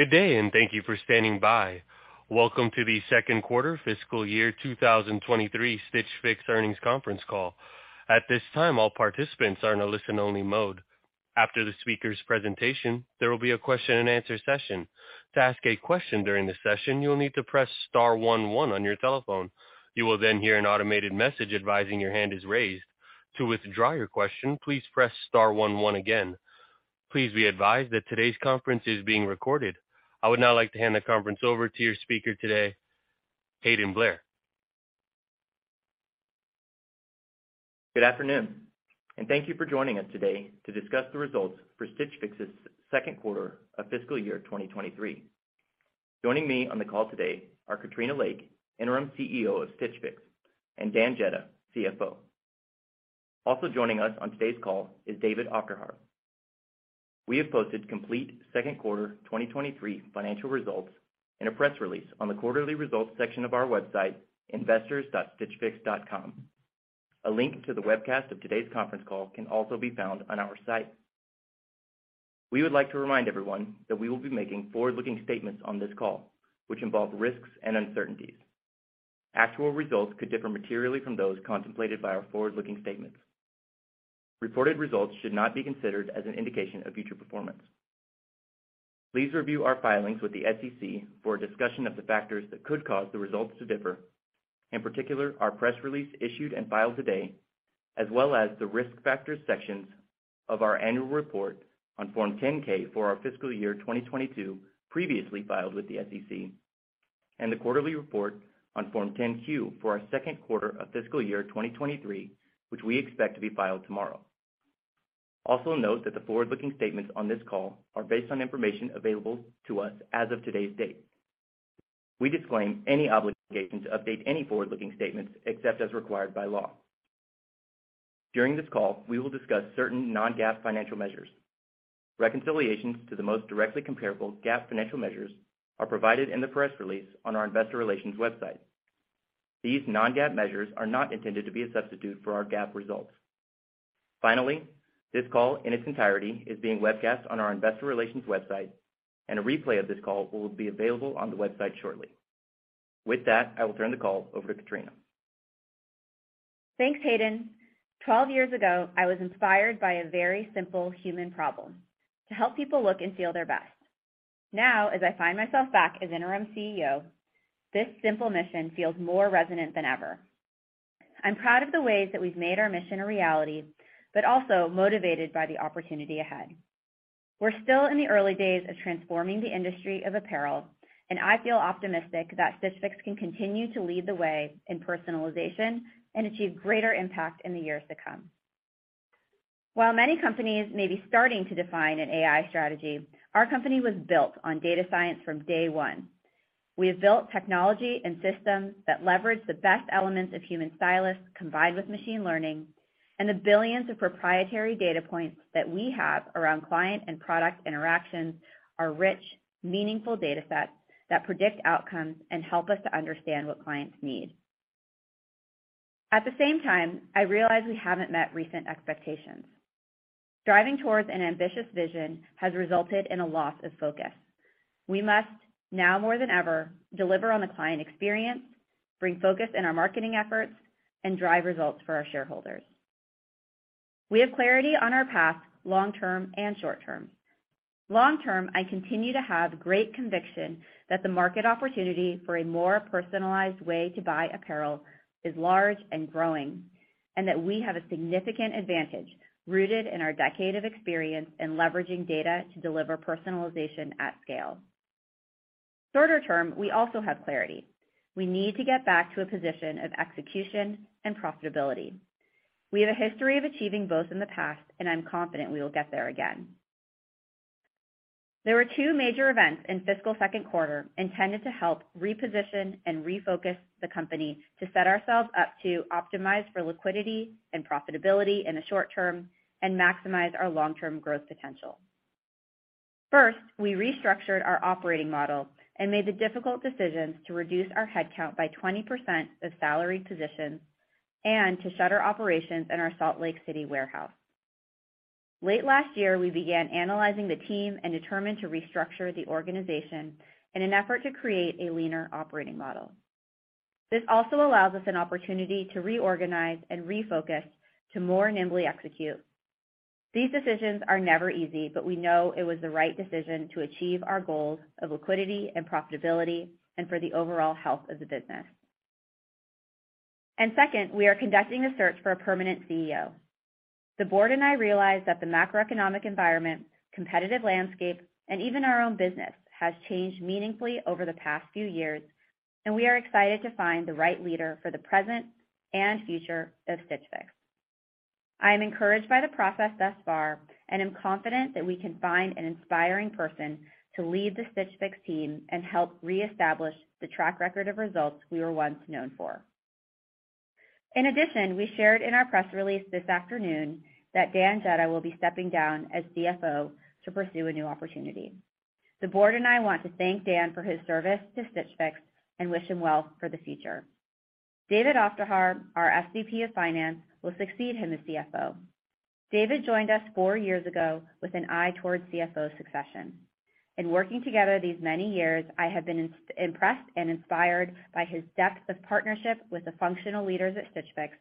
Good day and thank you for standing by. Welcome to the second quarter fiscal year 2023 Stitch Fix Earnings Conference Call. At this time, all participants are in a listen-only mode. After the speaker's presentation, there will be a question-and-answer session. To ask a question during the session, you'll need to press star one one on your telephone. You will hear an automated message advising your hand is raised. To withdraw your question, please press star one one again. Please be advised that today's conference is being recorded. I would now like to hand the conference over to your speaker today, Hayden Blair. Good afternoon, and thank you for joining us today to discuss the results for Stitch Fix's second quarter of fiscal year 2023. Joining me on the call today are Katrina Lake, Interim CEO of Stitch Fix, and Dan Jedda, CFO. Also joining us on today's call is David Aufderhaar. We have posted complete second quarter 2023 financial results in a press release on the Quarterly Results section of our website, investors.stitchfix.com. A link to the webcast of today's conference call can also be found on our site. We would like to remind everyone that we will be making forward-looking statements on this call, which involve risks and uncertainties. Actual results could differ materially from those contemplated by our forward-looking statements. Reported results should not be considered as an indication of future performance. Please review our filings with the SEC for a discussion of the factors that could cause the results to differ, in particular, our press release issued and filed today, as well as the Risk Factors sections of our annual report on Form 10-K for our fiscal year 2022 previously filed with the SEC, and the quarterly report on Form 10-Q for our second quarter of fiscal year 2023, which we expect to be filed tomorrow. Also note that the forward-looking statements on this call are based on information available to us as of today's date. We disclaim any obligation to update any forward-looking statements except as required by law. During this call, we will discuss certain non-GAAP financial measures. Reconciliations to the most directly comparable GAAP financial measures are provided in the press release on our Investor Relations website. These non-GAAP measures are not intended to be a substitute for our GAAP results. This call in its entirety is being webcast on our Investor Relations website, and a replay of this call will be available on the website shortly. With that, I will turn the call over to Katrina. Thanks, Hayden. 12 years ago, I was inspired by a very simple human problem: to help people look and feel their best. Now, as I find myself back as Interim CEO, this simple mission feels more resonant than ever. I'm proud of the ways that we've made our mission a reality, but also motivated by the opportunity ahead. We're still in the early days of transforming the industry of apparel, I feel optimistic that Stitch Fix can continue to lead the way in personalization and achieve greater impact in the years to come. While many companies may be starting to define an AI strategy, our company was built on data science from day one. We have built technology and systems that leverage the best elements of human stylists combined with machine learning, and the billions of proprietary data points that we have around client and product interactions are rich, meaningful datasets that predict outcomes and help us to understand what clients need. At the same time, I realize we haven't met recent expectations. Striving towards an ambitious vision has resulted in a loss of focus. We must, now more than ever, deliver on the client experience, bring focus in our marketing efforts, and drive results for our shareholders. We have clarity on our path long term and short term. Long term, I continue to have great conviction that the market opportunity for a more personalized way to buy apparel is large and growing, and that we have a significant advantage rooted in our decade of experience in leveraging data to deliver personalization at scale. Shorter term, we also have clarity. We need to get back to a position of execution and profitability. We have a history of achieving both in the past. I'm confident we will get there again. There were two major events in fiscal second quarter intended to help reposition and refocus the company to set ourselves up to optimize for liquidity and profitability in the short term and maximize our long-term growth potential. First, we restructured our operating model and made the difficult decisions to reduce our headcount by 20% of salaried positions and to shutter operations in our Salt Lake City warehouse. Late last year, we began analyzing the team and determined to restructure the organization in an effort to create a leaner operating model. This also allows us an opportunity to reorganize and refocus to more nimbly execute. These decisions are never easy, but we know it was the right decision to achieve our goals of liquidity and profitability and for the overall health of the business. Second, we are conducting a search for a permanent CEO. The board and I realize that the macroeconomic environment, competitive landscape, and even our own business has changed meaningfully over the past few years, and we are excited to find the right leader for the present and future of Stitch Fix. I am encouraged by the process thus far and am confident that we can find an inspiring person to lead the Stitch Fix team and help reestablish the track record of results we were once known for. In addition, we shared in our press release this afternoon that Dan Jedda will be stepping down as CFO to pursue a new opportunity. The board and I want to thank Dan for his service to Stitch Fix and wish him well for the future. David Aufderhaar, our SVP of Finance, will succeed him as CFO. David joined us four years ago with an eye towards CFO succession. In working together these many years, I have been impressed and inspired by his depth of partnership with the functional leaders at Stitch Fix,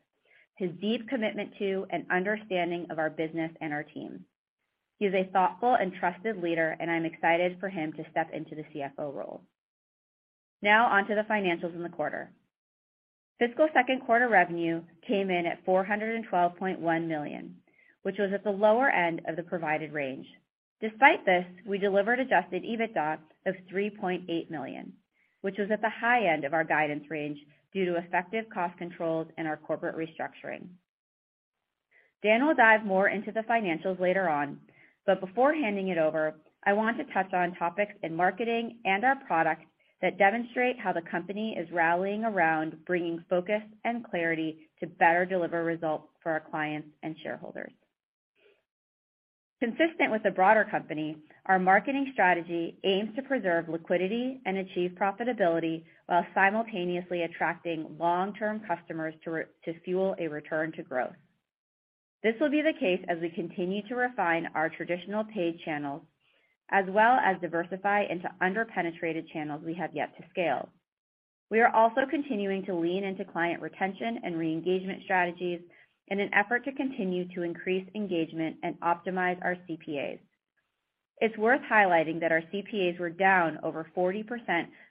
his deep commitment to and understanding of our business and our team. He's a thoughtful and trusted leader, and I'm excited for him to step into the CFO role. Now on to the financials in the quarter. Fiscal second quarter revenue came in at $412.1 million, which was at the lower end of the provided range. Despite this, we delivered adjusted EBITDA of $3.8 million, which was at the high end of our guidance range due to effective cost controls and our corporate restructuring. Dan will dive more into the financials later on, before handing it over, I want to touch on topics in marketing and our product that demonstrate how the company is rallying around bringing focus and clarity to better deliver results for our clients and shareholders. Consistent with the broader company, our marketing strategy aims to preserve liquidity and achieve profitability while simultaneously attracting long-term customers to fuel a return to growth. This will be the case as we continue to refine our traditional paid channels as well as diversify into under-penetrated channels we have yet to scale. We are also continuing to lean into client retention and re-engagement strategies in an effort to continue to increase engagement and optimize our CPAs. It's worth highlighting that our CPAs were down over 40%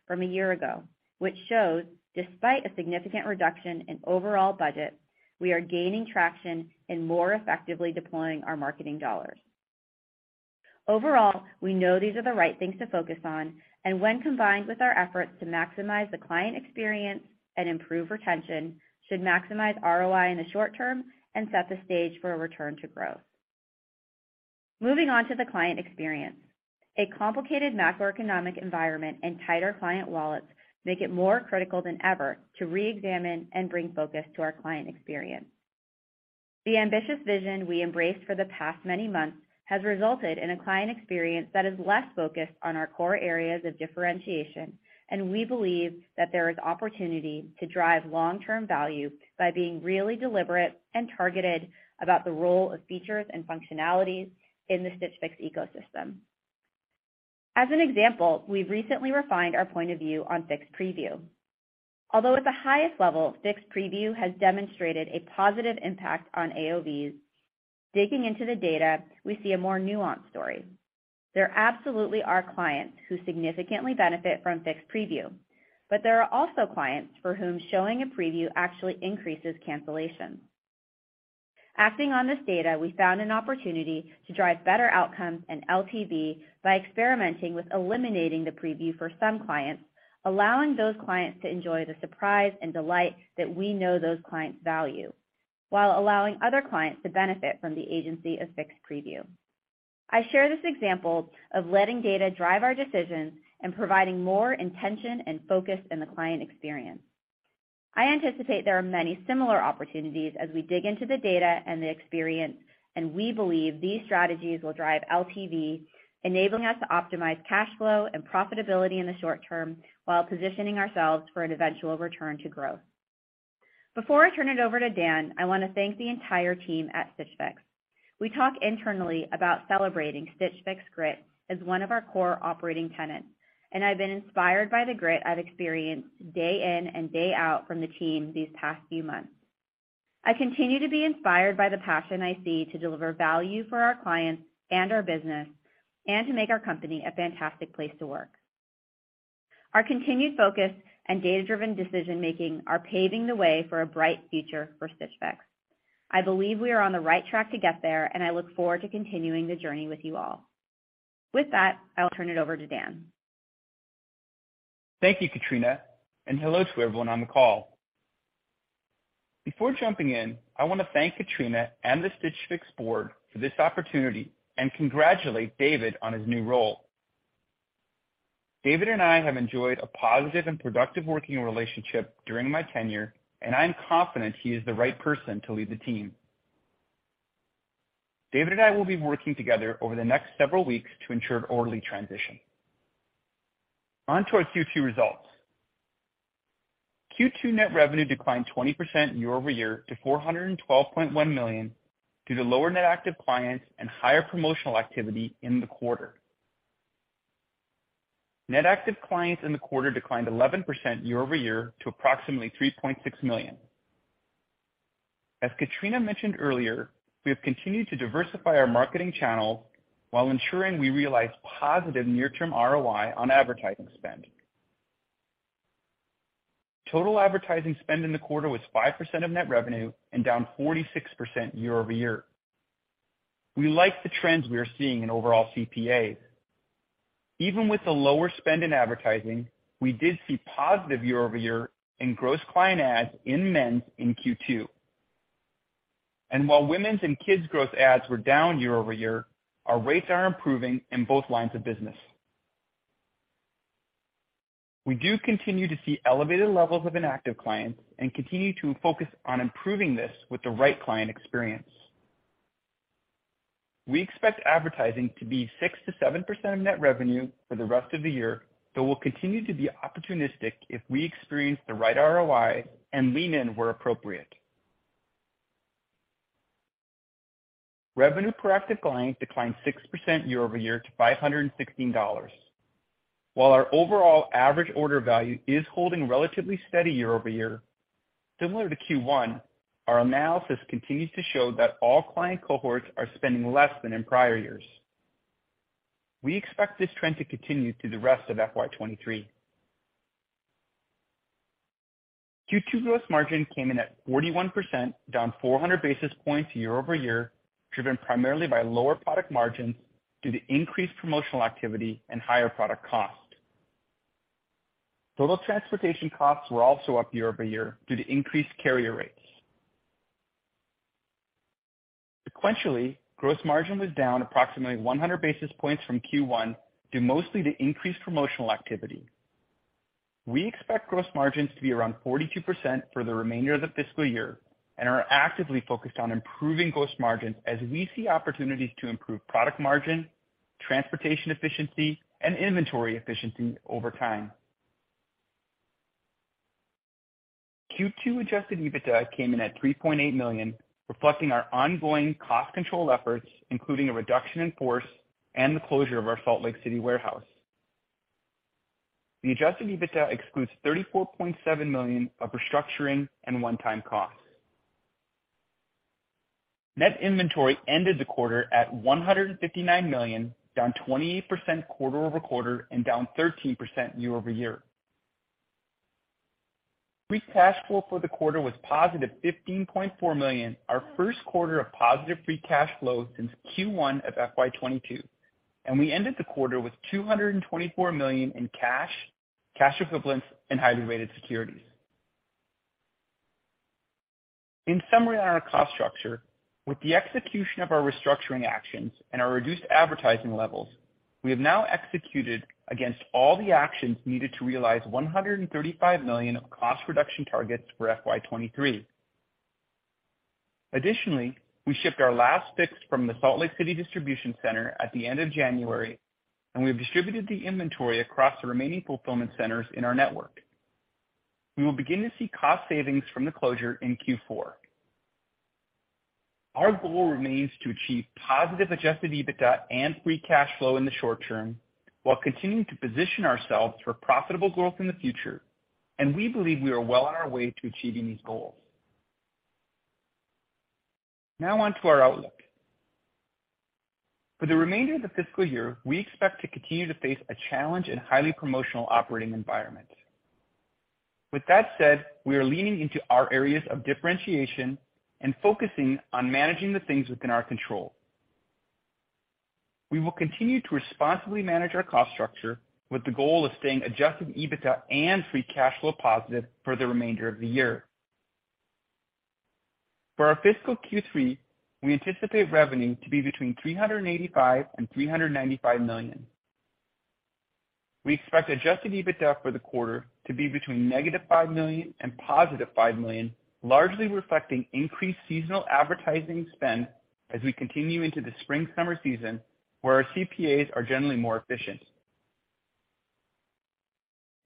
from a year ago, which shows despite a significant reduction in overall budget, we are gaining traction in more effectively deploying our marketing dollars. Overall, we know these are the right things to focus on, and when combined with our efforts to maximize the client experience and improve retention, should maximize ROI in the short term and set the stage for a return to growth. Moving on to the client experience. A complicated macroeconomic environment and tighter client wallets make it more critical than ever to reexamine and bring focus to our client experience. The ambitious vision we embraced for the past many months has resulted in a client experience that is less focused on our core areas of differentiation, and we believe that there is opportunity to drive long-term value by being really deliberate and targeted about the role of features and functionalities in the Stitch Fix ecosystem. As an example, we've recently refined our point of view on Fix Preview. At the highest level, Fix Preview has demonstrated a positive impact on AOV, digging into the data, we see a more nuanced story. There absolutely are clients who significantly benefit from Fix Preview, but there are also clients for whom showing a preview actually increases cancellations. Acting on this data, we found an opportunity to drive better outcomes and LTV by experimenting with eliminating the preview for some clients, allowing those clients to enjoy the surprise and delight that we know those clients value while allowing other clients to benefit from the agency of Fix Preview. I share this example of letting data drive our decisions and providing more intention and focus in the client experience. I anticipate there are many similar opportunities as we dig into the data and the experience, and we believe these strategies will drive LTV, enabling us to optimize cash flow and profitability in the short term while positioning ourselves for an eventual return to growth. Before I turn it over to Dan, I want to thank the entire team at Stitch Fix. We talk internally about celebrating Stitch Fix grit as one of our core operating tenets, and I've been inspired by the grit I've experienced day in and day out from the team these past few months. I continue to be inspired by the passion I see to deliver value for our clients and our business and to make our company a fantastic place to work. Our continued focus and data-driven decision-making are paving the way for a bright future for Stitch Fix. I believe we are on the right track to get there, and I look forward to continuing the journey with you all. With that, I'll turn it over to Dan. Thank you, Katrina, and hello to everyone on the call. Before jumping in, I want to thank Katrina and the Stitch Fix board for this opportunity and congratulate David on his new role. David and I have enjoyed a positive and productive working relationship during my tenure, and I am confident he is the right person to lead the team. David and I will be working together over the next several weeks to ensure an orderly transition. On to our Q2 results. Q2 net revenue declined 20% year-over-year to $412.1 million due to lower net active clients and higher promotional activity in the quarter. Net active clients in the quarter declined 11% year-over-year to approximately 3.6 million. As Katrina mentioned earlier, we have continued to diversify our marketing channels while ensuring we realize positive near-term ROI on advertising spend. Total advertising spend in the quarter was 5% of net revenue and down 46% year-over-year. We like the trends we are seeing in overall CPAs. Even with the lower spend in advertising, we did see positive year-over-year in gross client adds in men's in Q2. While women's and kids' growth adds were down year-over-year, our rates are improving in both lines of business. We do continue to see elevated levels of inactive clients and continue to focus on improving this with the right client experience. We expect advertising to be 6%-7% of net revenue for the rest of the year, We'll continue to be opportunistic if we experience the right ROI and lean in where appropriate. Revenue per active client declined 6% year-over-year to $516. While our overall average order value is holding relatively steady year-over-year, similar to Q1, our analysis continues to show that all client cohorts are spending less than in prior years. We expect this trend to continue through the rest of FY2023. Q2 gross margin came in at 41%, down 400 basis points year-over-year, driven primarily by lower product margins due to increased promotional activity and higher product cost. Total transportation costs were also up year-over-year due to increased carrier rates. Sequentially, gross margin was down approximately 100 basis points from Q1, due mostly to increased promotional activity. We expect gross margins to be around 42% for the remainder of the fiscal year and are actively focused on improving gross margins as we see opportunities to improve product margin, transportation efficiency, and inventory efficiency over time. Q2 adjusted EBITDA came in at $3.8 million, reflecting our ongoing cost control efforts, including a reduction in force and the closure of our Salt Lake City warehouse. The adjusted EBITDA excludes $34.7 million of restructuring and one-time costs. Net inventory ended the quarter at $159 million, down 28% quarter-over-quarter and down 13% year-over-year. Free Cash Flow for the quarter was positive $15.4 million, our first quarter of positive Free Cash Flow since Q1 of FY2022, and we ended the quarter with $224 million in cash equivalents, and highly rated securities. In summary on our cost structure, with the execution of our restructuring actions and our reduced advertising levels, we have now executed against all the actions needed to realize $135 million of cost reduction targets for FY2023. We shipped our last Fix from the Salt Lake City distribution center at the end of January, and we have distributed the inventory across the remaining fulfillment centers in our network. We will begin to see cost savings from the closure in Q4. Our goal remains to achieve positive adjusted EBITDA and Free Cash Flow in the short term while continuing to position ourselves for profitable growth in the future. We believe we are well on our way to achieving these goals. On to our outlook. For the remainder of the fiscal year, we expect to continue to face a challenge and highly promotional operating environment. With that said, we are leaning into our areas of differentiation and focusing on managing the things within our control. We will continue to responsibly manage our cost structure with the goal of staying adjusted EBITDA and Free Cash Flow positive for the remainder of the year. For our fiscal Q3, we anticipate revenue to be between $385 million and $395 million. We expect adjusted EBITDA for the quarter to be between -$5 million and +$5 million, largely reflecting increased seasonal advertising spend as we continue into the spring/summer season where our CPAs are generally more efficient.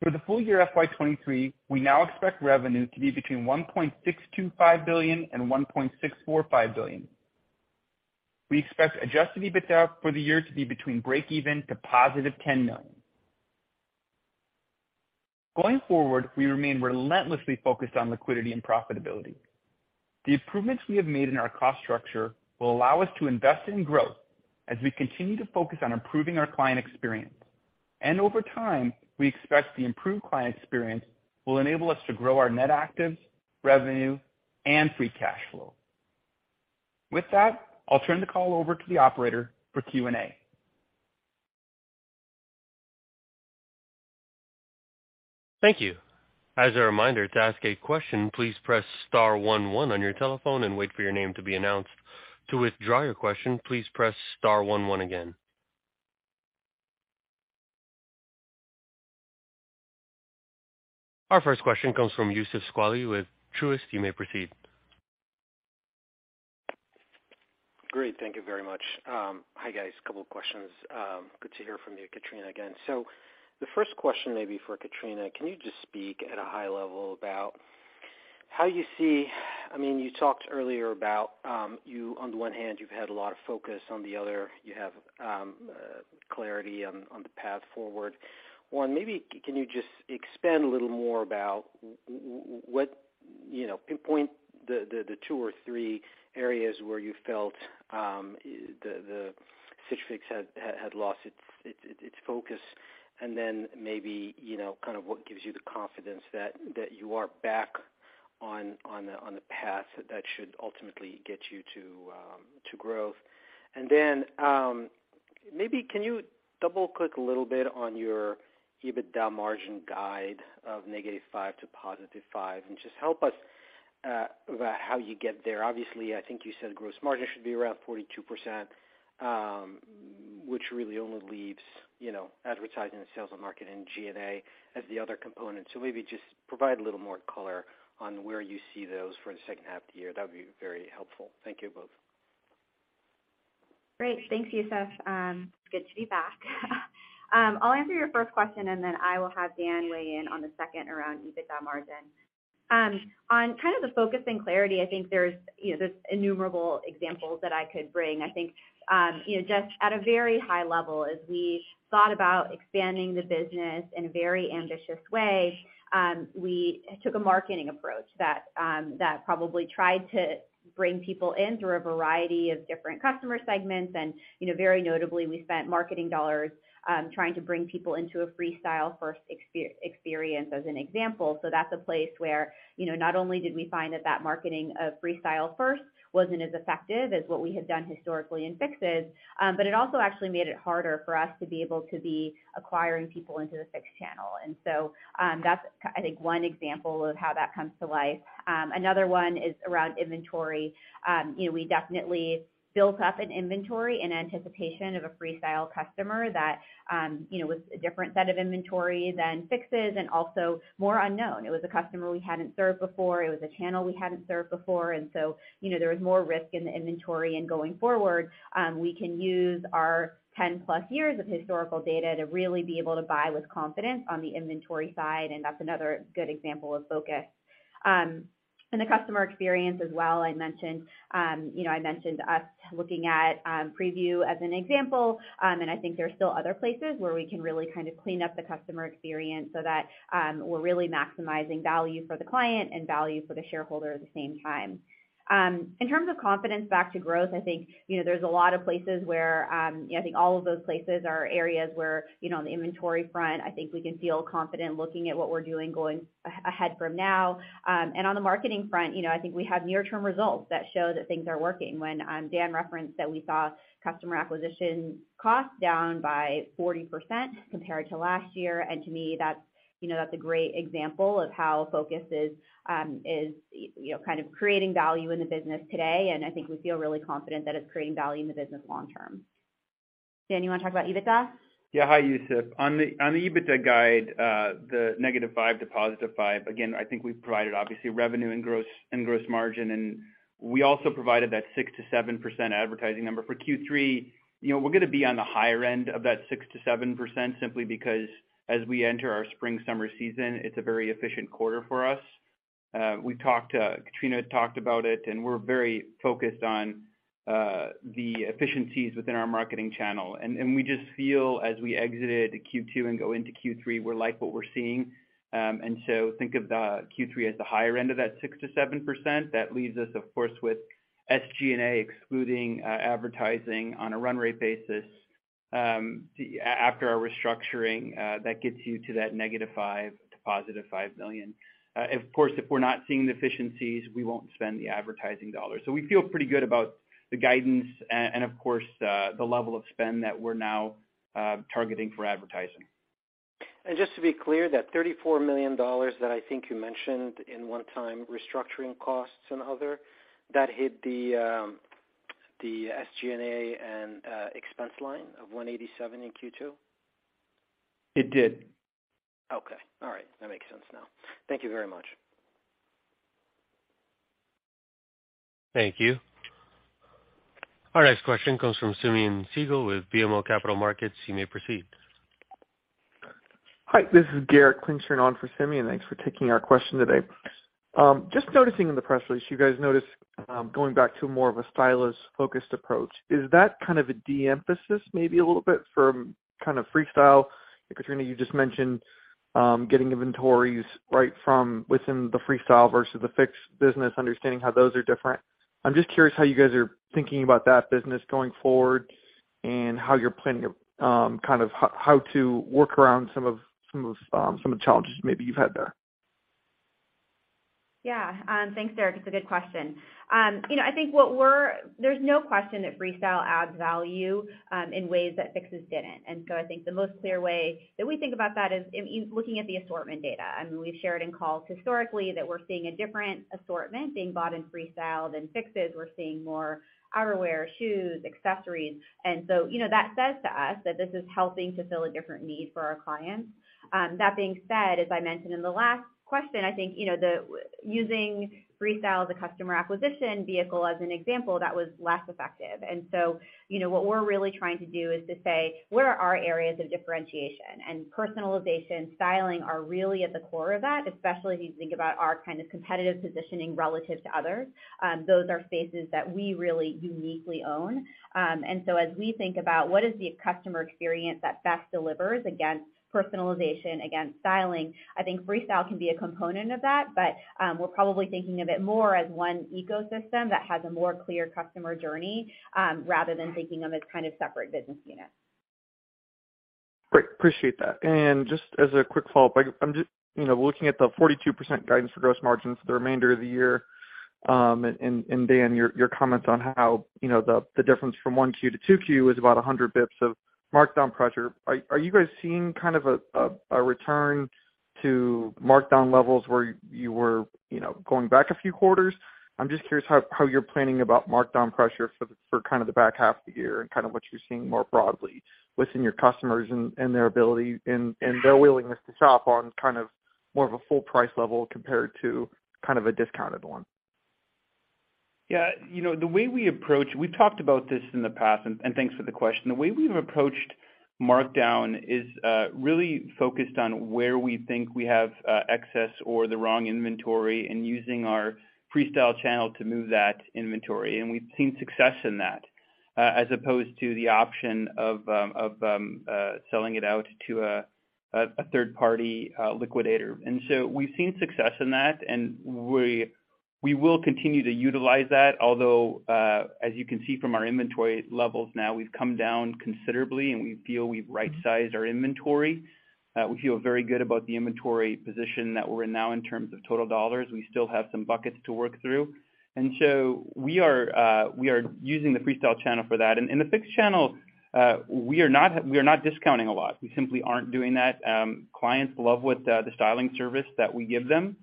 For the full year 2023, we now expect revenue to be between $1.625 billion and $1.645 billion. We expect adjusted EBITDA for the year to be between breakeven to +$10 million. Going forward, we remain relentlessly focused on liquidity and profitability. The improvements we have made in our cost structure will allow us to invest in growth as we continue to focus on improving our client experience. Over time, we expect the improved client experience will enable us to grow our net active clients, revenue, and Free Cash Flow. With that, I'll turn the call over to the operator for Q&A. Thank you. As a reminder, to ask a question, please press star one one on your telephone and wait for your name to be announced. To withdraw your question, please press star one one again. Our first question comes from Youssef Squali with Truist. You may proceed. Great. Thank you very much. Hi, guys. A couple questions. Good to hear from you, Katrina, again. The first question may be for Katrina. Can you just speak at a high level about how you see, I mean, you talked earlier about, you on the one hand, you've had a lot of focus, on the other you have clarity on the path forward. One, maybe can you just expand a little more about what, you know, pinpoint the two or three areas where you felt the Stitch Fix had lost its focus, and then maybe, you know, kind of what gives you the confidence that you are back on the path that should ultimately get you to growth. Maybe can you double click a little bit on your EBITDA margin guide of -5% to +5%, and just help us about how you get there. Obviously, I think you said gross margin should be around 42%. Which really only leaves, you know, advertising and sales and marketing and G&A as the other component. Maybe just provide a little more color on where you see those for the second half of the year. That would be very helpful. Thank you both. Great. Thanks, Youssef. It's good to be back. I'll answer your first question, and then I will have Dan weigh in on the second around EBITDA margin. On kind of the focus and clarity, I think there's, you know, there's innumerable examples that I could bring. I think, you know, just at a very high level, as we thought about expanding the business in a very ambitious way, we took a marketing approach that probably tried to bring people in through a variety of different customer segments. You know, very notably, we spent marketing dollars trying to bring people into a Freestyle first experience as an example. That's a place where, you know, not only did we find that that marketing of Freestyle first wasn't as effective as what we had done historically in Fixes, but it also actually made it harder for us to be able to be acquiring people into the Fix channel. That's I think one example of how that comes to life. Another one is around inventory. You know, we definitely built up an inventory in anticipation of a Freestyle customer that, you know, was a different set of inventory than Fixes and also more unknown. It was a customer we hadn't served before. It was a channel we hadn't served before. You know, there was more risk in the inventory. Going forward, we can use our 10+ years of historical data to really be able to buy with confidence on the inventory side. That's another good example of focus. The customer experience as well. I mentioned, you know, us looking at Preview as an example. I think there are still other places where we can really kind of clean up the customer experience so that we're really maximizing value for the client and value for the shareholder at the same time. In terms of confidence back to growth, I think, you know, there's a lot of places where, you know, I think all of those places are areas where, you know, on the inventory front, I think we can feel confident looking at what we're doing going ahead from now. On the marketing front, you know, I think we have near term results that show that things are working. When Dan referenced that we saw customer acquisition costs down by 40% compared to last year. To me, that's, you know, that's a great example of how focus is, you know, kind of creating value in the business today. I think we feel really confident that it's creating value in the business long term. Dan, you wanna talk about EBITDA? Yeah. Hi, Youssef. On the EBITDA guide, the -5% to +5%, again, I think we've provided obviously revenue and gross, and gross margin, and we also provided that 6%-7% advertising number. For Q3, you know, we're gonna be on the higher end of that 6%-7% simply because as we enter our spring/summer season, it's a very efficient quarter for us. We talked, Katrina talked about it, and we're very focused on the efficiencies within our marketing channel. We just feel as we exited Q2 and go into Q3, we like what we're seeing. Think of the Q3 as the higher end of that 6%-7%. That leaves us, of course, with SG&A excluding advertising on a run rate basis, after our restructuring, that gets you to that -$5 million to $5 million. Of course, if we're not seeing the efficiencies, we won't spend the advertising dollars. We feel pretty good about the guidance and of course, the level of spend that we're now targeting for advertising. Just to be clear, that $34 million that I think you mentioned in one time restructuring costs and other, that hit the SG&A expense line of $187 million in Q2? It did. Okay. All right. That makes sense now. Thank you very much. Thank you. Our next question comes from Simeon Siegel with BMO Capital Markets. You may proceed. Hi, this is Garrett Klingshirn on for Simeon. Thanks for taking our question today. Just noticing in the press release, you guys notice, going back to more of a stylist focused approach. Is that kind of a de-emphasis, maybe a little bit from kind of Freestyle? Katrina, you just mentioned, getting inventories right from within the Freestyle versus the Fix business, understanding how those are different. I'm just curious how you guys are thinking about that business going forward and how you're planning, kind of, how to work around some of the challenges maybe you've had there. Yeah. Thanks, Garrett. It's a good question. You know, I think there's no question that Freestyle adds value in ways that Fixes didn't. I think the most clear way that we think about that is in looking at the assortment data. I mean, we've shared in calls historically that we're seeing a different assortment being bought in Freestyle than Fixes. We're seeing more outerwear, shoes, accessories. You know, that says to us that this is helping to fill a different need for our clients. That being said, as I mentioned in the last question, I think, you know, using Freestyle as a customer acquisition vehicle as an example, that was less effective. You know, what we're really trying to do is to say, where are our areas of differentiation? Personalization, styling are really at the core of that, especially if you think about our kind of competitive positioning relative to others. Those are spaces that we really uniquely own. As we think about what is the customer experience that best delivers against personalization, against styling, I think Freestyle can be a component of that. We're probably thinking of it more as one ecosystem that has a more clear customer journey, rather than thinking of it as kind of separate business units. Great. Appreciate that. Just as a quick follow-up, I'm just, you know, looking at the 42% guidance for gross margins for the remainder of the year, Dan, your comments on how, you know, the difference from 1Q to 2Q is about 100 basis points of markdown pressure. Are you guys seeing kind of a return to markdown levels where you were, you know, going back a few quarters? I'm just curious how you're planning about markdown pressure for kind of the back half of the year and kind of what you're seeing more broadly within your customers and their ability and their willingness to shop on kind of more of a full price level compared to kind of a discounted one. Yeah, you know, We've talked about this in the past and thanks for the question. The way we've approached markdown is really focused on where we think we have excess or the wrong inventory and using our Freestyle channel to move that inventory. We've seen success in that as opposed to the option of selling it out to a third party liquidator. We've seen success in that, and we will continue to utilize that. Although as you can see from our inventory levels now, we've come down considerably, and we feel we've right-sized our inventory. We feel very good about the inventory position that we're in now in terms of total dollars. We still have some buckets to work through. We are using the Freestyle channel for that. In the Fix channel, we are not discounting a lot. We simply aren't doing that. Clients love with the styling service that we give them.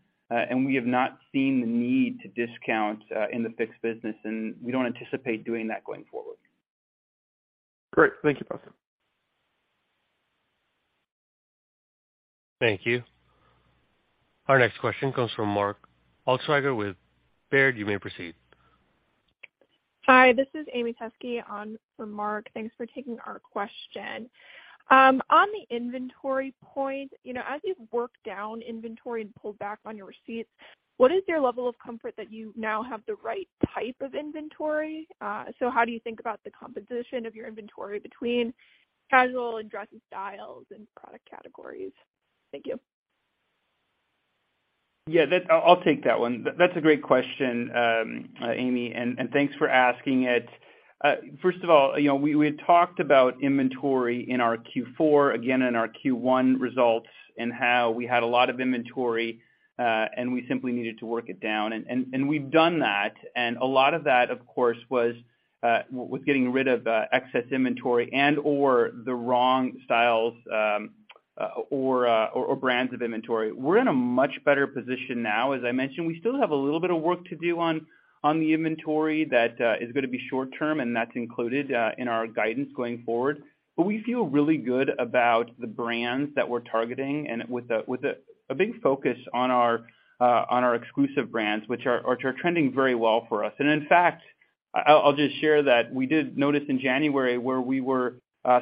We have not seen the need to discount in the Fix business, and we don't anticipate doing that going forward. Great. Thank you for that. Thank you. Our next question comes from Mark Altschwager with Baird. You may proceed. Hi, this is Amy Teske on for Mark. Thanks for taking our question. On the inventory point, you know, as you've worked down inventory and pulled back on your receipts, what is your level of comfort that you now have the right type of inventory? How do you think about the composition of your inventory between casual and dressy styles and product categories? Thank you. Yeah, I'll take that one. That's a great question, Amy, and thanks for asking it. First of all, you know, we had talked about inventory in our Q4, again in our Q1 results, and how we had a lot of inventory, and we simply needed to work it down. We've done that. A lot of that, of course, was getting rid of excess inventory and/or the wrong styles, or brands of inventory. We're in a much better position now, as I mentioned. We still have a little bit of work to do on the inventory that is gonna be short term, and that's included in our guidance going forward. We feel really good about the brands that we're targeting and with a, with a big focus on our on our exclusive brands, which are trending very well for us. In fact, I'll just share that we did notice in January where we were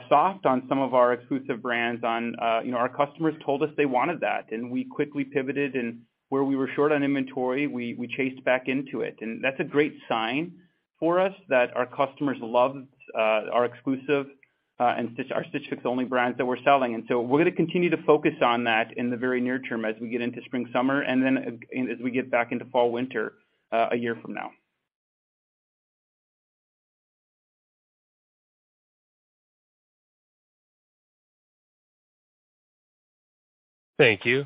soft on some of our exclusive brands on, you know, our customers told us they wanted that. We quickly pivoted and where we were short on inventory, we chased back into it. That's a great sign for us that our customers love our exclusive and Stitch Fix only brands that we're selling. We're gonna continue to focus on that in the very near term as we get into spring/summer and then as we get back into fall/winter a year from now. Thank you.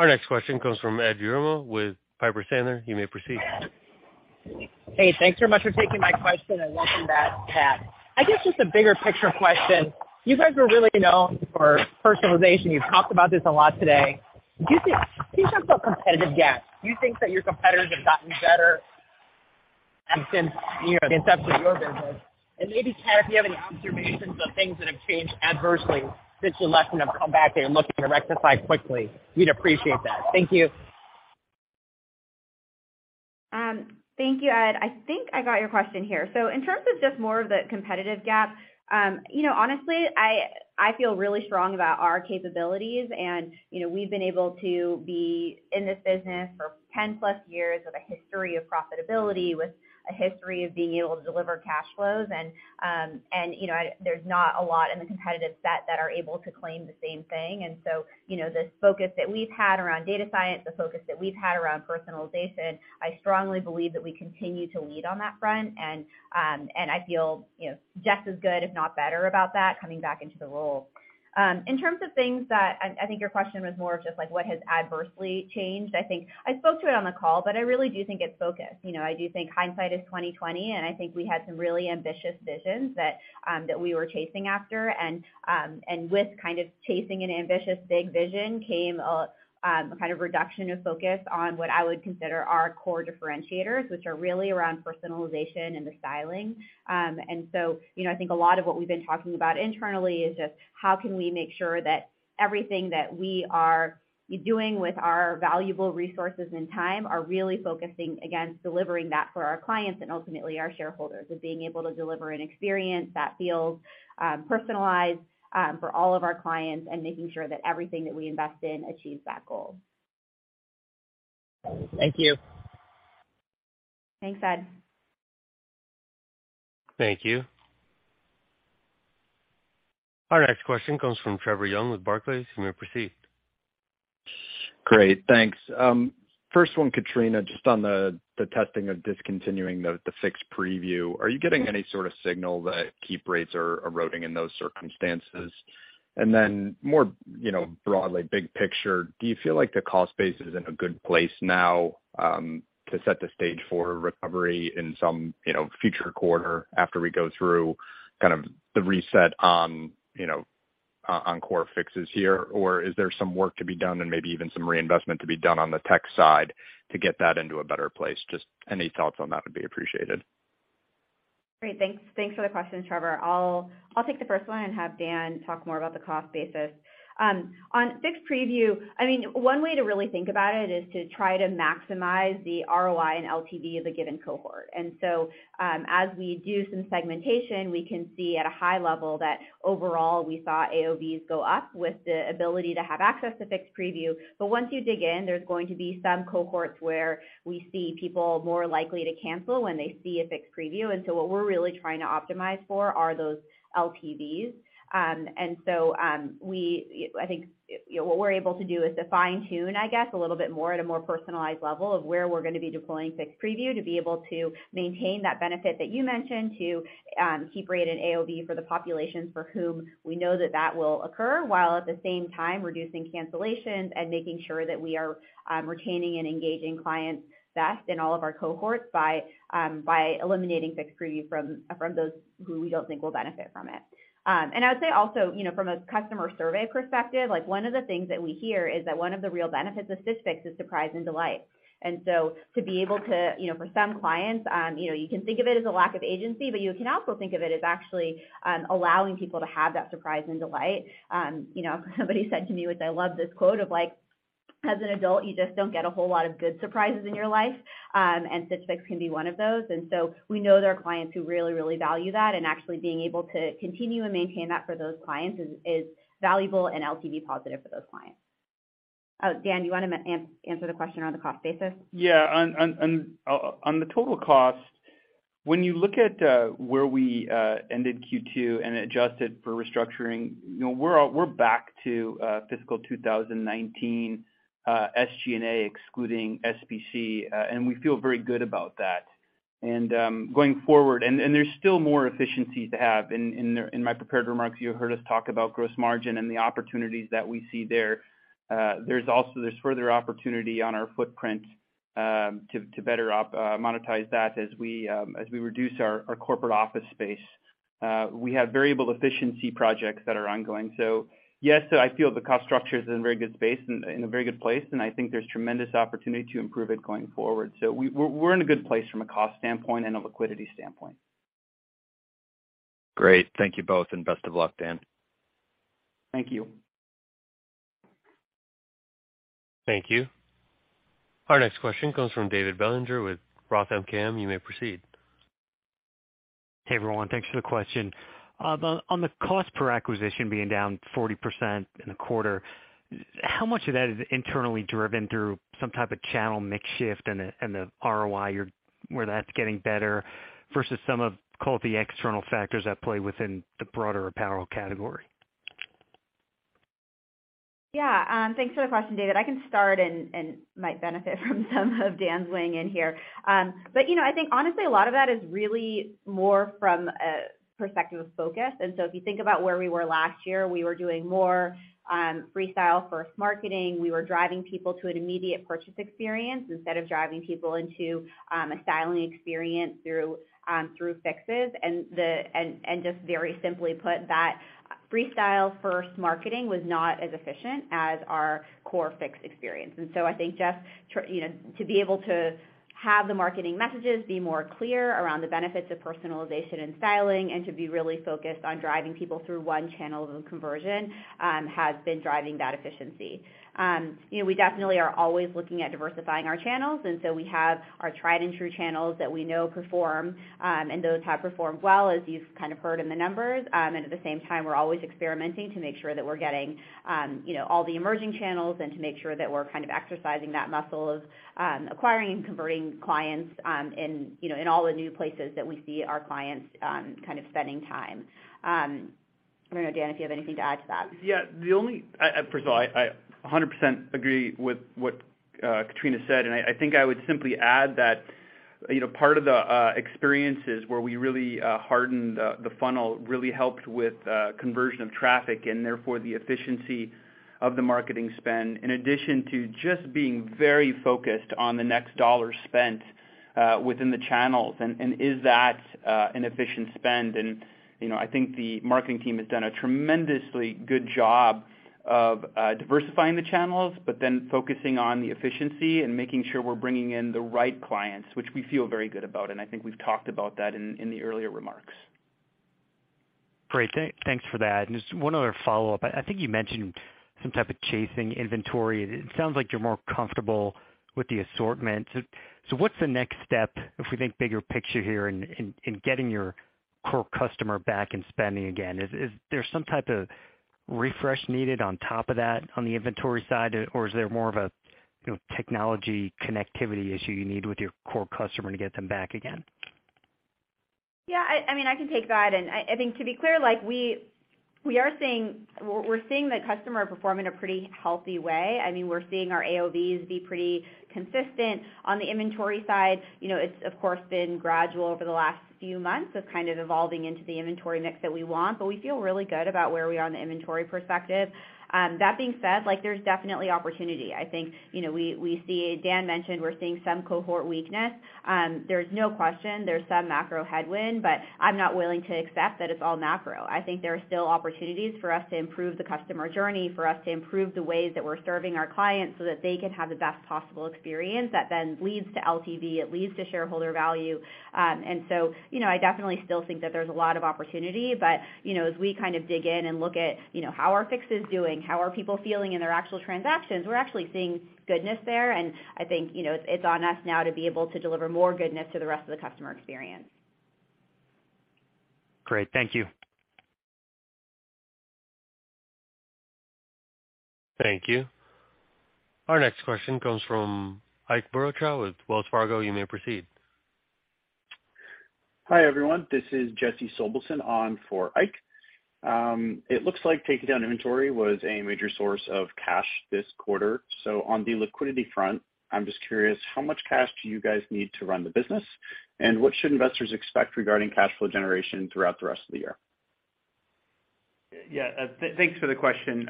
Our next question comes from Edward Yruma with Piper Sandler. You may proceed. Hey, thanks very much for taking my question and welcome back, Kat. I guess just a bigger picture question. You guys are really known for personalization. You've talked about this a lot today. Can you talk about competitive gap? Do you think that your competitors have gotten better since, you know, the inception of your business? Maybe, Kat, if you have any observations of things that have changed adversely since you left and have come back that you're looking to rectify quickly, we'd appreciate that. Thank you. Thank you, Ed. I think I got your question here. In terms of just more of the competitive gap, you know, honestly, I feel really strong about our capabilities and, you know, we've been able to be in this business for 10+ years with a history of profitability, with a history of being able to deliver cash flows and, you know, there's not a lot in the competitive set that are able to claim the same thing. You know, the focus that we've had around data science, the focus that we've had around personalization, I strongly believe that we continue to lead on that front. And I feel, you know, just as good if not better about that coming back into the role. In terms of things that, I think your question was more of just like what has adversely changed. I think I spoke to it on the call, but I really do think it's focus. You know, I do think hindsight is 20/20, and I think we had some really ambitious visions that we were chasing after. With kind of chasing an ambitious, big vision came a kind of reduction of focus on what I would consider our core differentiators, which are really around personalization and the styling. You know, I think a lot of what we've been talking about internally is just how can we make sure that everything that we are doing with our valuable resources and time are really focusing, again, delivering that for our clients and ultimately our shareholders, of being able to deliver an experience that feels personalized, for all of our clients and making sure that everything that we invest in achieves that goal. Thank you. Thanks, Ed. Thank you. Our next question comes from Trevor Young with Barclays. You may proceed. Great. Thanks. First one, Katrina, just on the testing of discontinuing the Fix Preview. Are you getting any sort of signal that keep rates are eroding in those circumstances? More, you know, broadly big picture, do you feel like the cost base is in a good place now, to set the stage for recovery in some, you know, future quarter after we go through kind of the reset on core Fixes here? Is there some work to be done and maybe even some reinvestment to be done on the tech side to get that into a better place? Just any thoughts on that would be appreciated. Great. Thanks. Thanks for the question, Trevor. I'll take the first one and have Dan talk more about the cost basis. On Fix Preview, I mean, one way to really think about it is to try to maximize the ROI and LTV of a given cohort. As we do some segmentation, we can see at a high level that overall we saw AOV go up with the ability to have access to Fix Preview. Once you dig in, there's going to be some cohorts where we see people more likely to cancel when they see a Fix Preview. What we're really trying to optimize for are those LTVs. I think, you know, what we're able to do is to fine-tune, I guess, a little bit more at a more personalized level of where we're gonna be deploying Fix Preview to be able to maintain that benefit that you mentioned to keep rate in AOV for the populations for whom we know that that will occur. While at the same time reducing cancellations and making sure that we are retaining and engaging clients best in all of our cohorts by eliminating Fix Preview from those who we don't think will benefit from it. I would say also, you know, from a customer survey perspective, like one of the things that we hear is that one of the real benefits of Stitch Fix is surprise and delight. To be able to, you know, for some clients, you know, you can think of it as a lack of agency, but you can also think of it as actually, allowing people to have that surprise and delight. You know, somebody said to me, which I love this quote, of like, "As an adult, you just don't get a whole lot of good surprises in your life." Stitch Fix can be one of those. We know there are clients who really value that, and actually being able to continue and maintain that for those clients is valuable and LTV positive for those clients. Oh, Dan, you wanna answer the question on the cost basis? On the total cost, when you look at where we ended Q2 and adjusted for restructuring, you know, we're back to fiscal 2019 SG&A, excluding SBC, and we feel very good about that going forward. There's still more efficiencies to have. In my prepared remarks, you heard us talk about gross margin and the opportunities that we see there. There's also this further opportunity on our footprint to better monetize that as we reduce our corporate office space. We have variable efficiency projects that are ongoing. Yes, I feel the cost structure is in a very good place, and I think there's tremendous opportunity to improve it going forward. We're in a good place from a cost standpoint and a liquidity standpoint. Great. Thank you both, and best of luck, Dan. Thank you. Thank you. Our next question comes from David Bellinger with Roth MKM. You may proceed. Hey, everyone. Thanks for the question. On the cost per acquisition being down 40% in a quarter, how much of that is internally driven through some type of channel mix shift and the ROI where that's getting better versus some of, call it the external factors at play within the broader apparel category? Yeah. Thanks for the question, David. I can start and might benefit from some of Dan's weighing in here. I think honestly, a lot of that is really more from a perspective of focus. If you think about where we were last year, we were doing more Freestyle first marketing. We were driving people to an immediate purchase experience instead of driving people into a styling experience through Fixes. Just very simply put, that Freestyle first marketing was not as efficient as our core Fix experience. I think just you know, to be able to have the marketing messages be more clear around the benefits of personalization and styling, and to be really focused on driving people through one channel of conversion, has been driving that efficiency. You know, we definitely are always looking at diversifying our channels, we have our tried and true channels that we know perform, and those have performed well as you've kind of heard in the numbers. At the same time, we're always experimenting to make sure that we're getting, you know, all the emerging channels and to make sure that we're kind of exercising that muscle of acquiring and converting clients, in, you know, in all the new places that we see our clients kind of spending time. I don't know, Dan, if you have anything to add to that. Yeah. First of all, I 100% agree with what Katrina said, I think I would simply add that, you know, part of the experiences where we really hardened the funnel really helped with conversion of traffic and therefore the efficiency of the marketing spend, in addition to just being very focused on the next dollar spent within the channels and is that an efficient spend. You know, I think the marketing team has done a tremendously good job of diversifying the channels, but then focusing on the efficiency and making sure we're bringing in the right clients, which we feel very good about, and I think we've talked about that in the earlier remarks. Great. Thanks for that. Just one other follow-up. I think you mentioned some type of chasing inventory. It sounds like you're more comfortable with the assortment. What's the next step if we think bigger picture here in getting your core customer back and spending again? Is there some type of refresh needed on top of that on the inventory side, or is there more of a, you know, technology connectivity issue you need with your core customer to get them back again? Yeah, I mean, I can take that. I think to be clear, like we're seeing the customer perform in a pretty healthy way. I mean, we're seeing our AOVs be pretty consistent. On the inventory side, you know, it's of course been gradual over the last few months of kind of evolving into the inventory mix that we want, but we feel really good about where we are on the inventory perspective. That being said, like, there's definitely opportunity. I think, you know, we see Dan mentioned we're seeing some cohort weakness. There's no question there's some macro headwind, but I'm not willing to accept that it's all macro. I think there are still opportunities for us to improve the customer journey, for us to improve the ways that we're serving our clients so that they can have the best possible experience that then leads to LTV, it leads to shareholder value. You know, I definitely still think that there's a lot of opportunity. You know, as we kind of dig in and look at, you know, how are Fixes doing, how are people feeling in their actual transactions, we're actually seeing goodness there. I think, you know, it's on us now to be able to deliver more goodness to the rest of the customer experience. Great. Thank you. Thank you. Our next question comes from Ike Boruchow with Wells Fargo. You may proceed. Hi, everyone. This is Jesse Sobelson on for Ike. It looks like taking down inventory was a major source of cash this quarter. On the liquidity front, I'm just curious how much cash do you guys need to run the business, and what should investors expect regarding cash flow generation throughout the rest of the year? Yeah. Thanks for the question.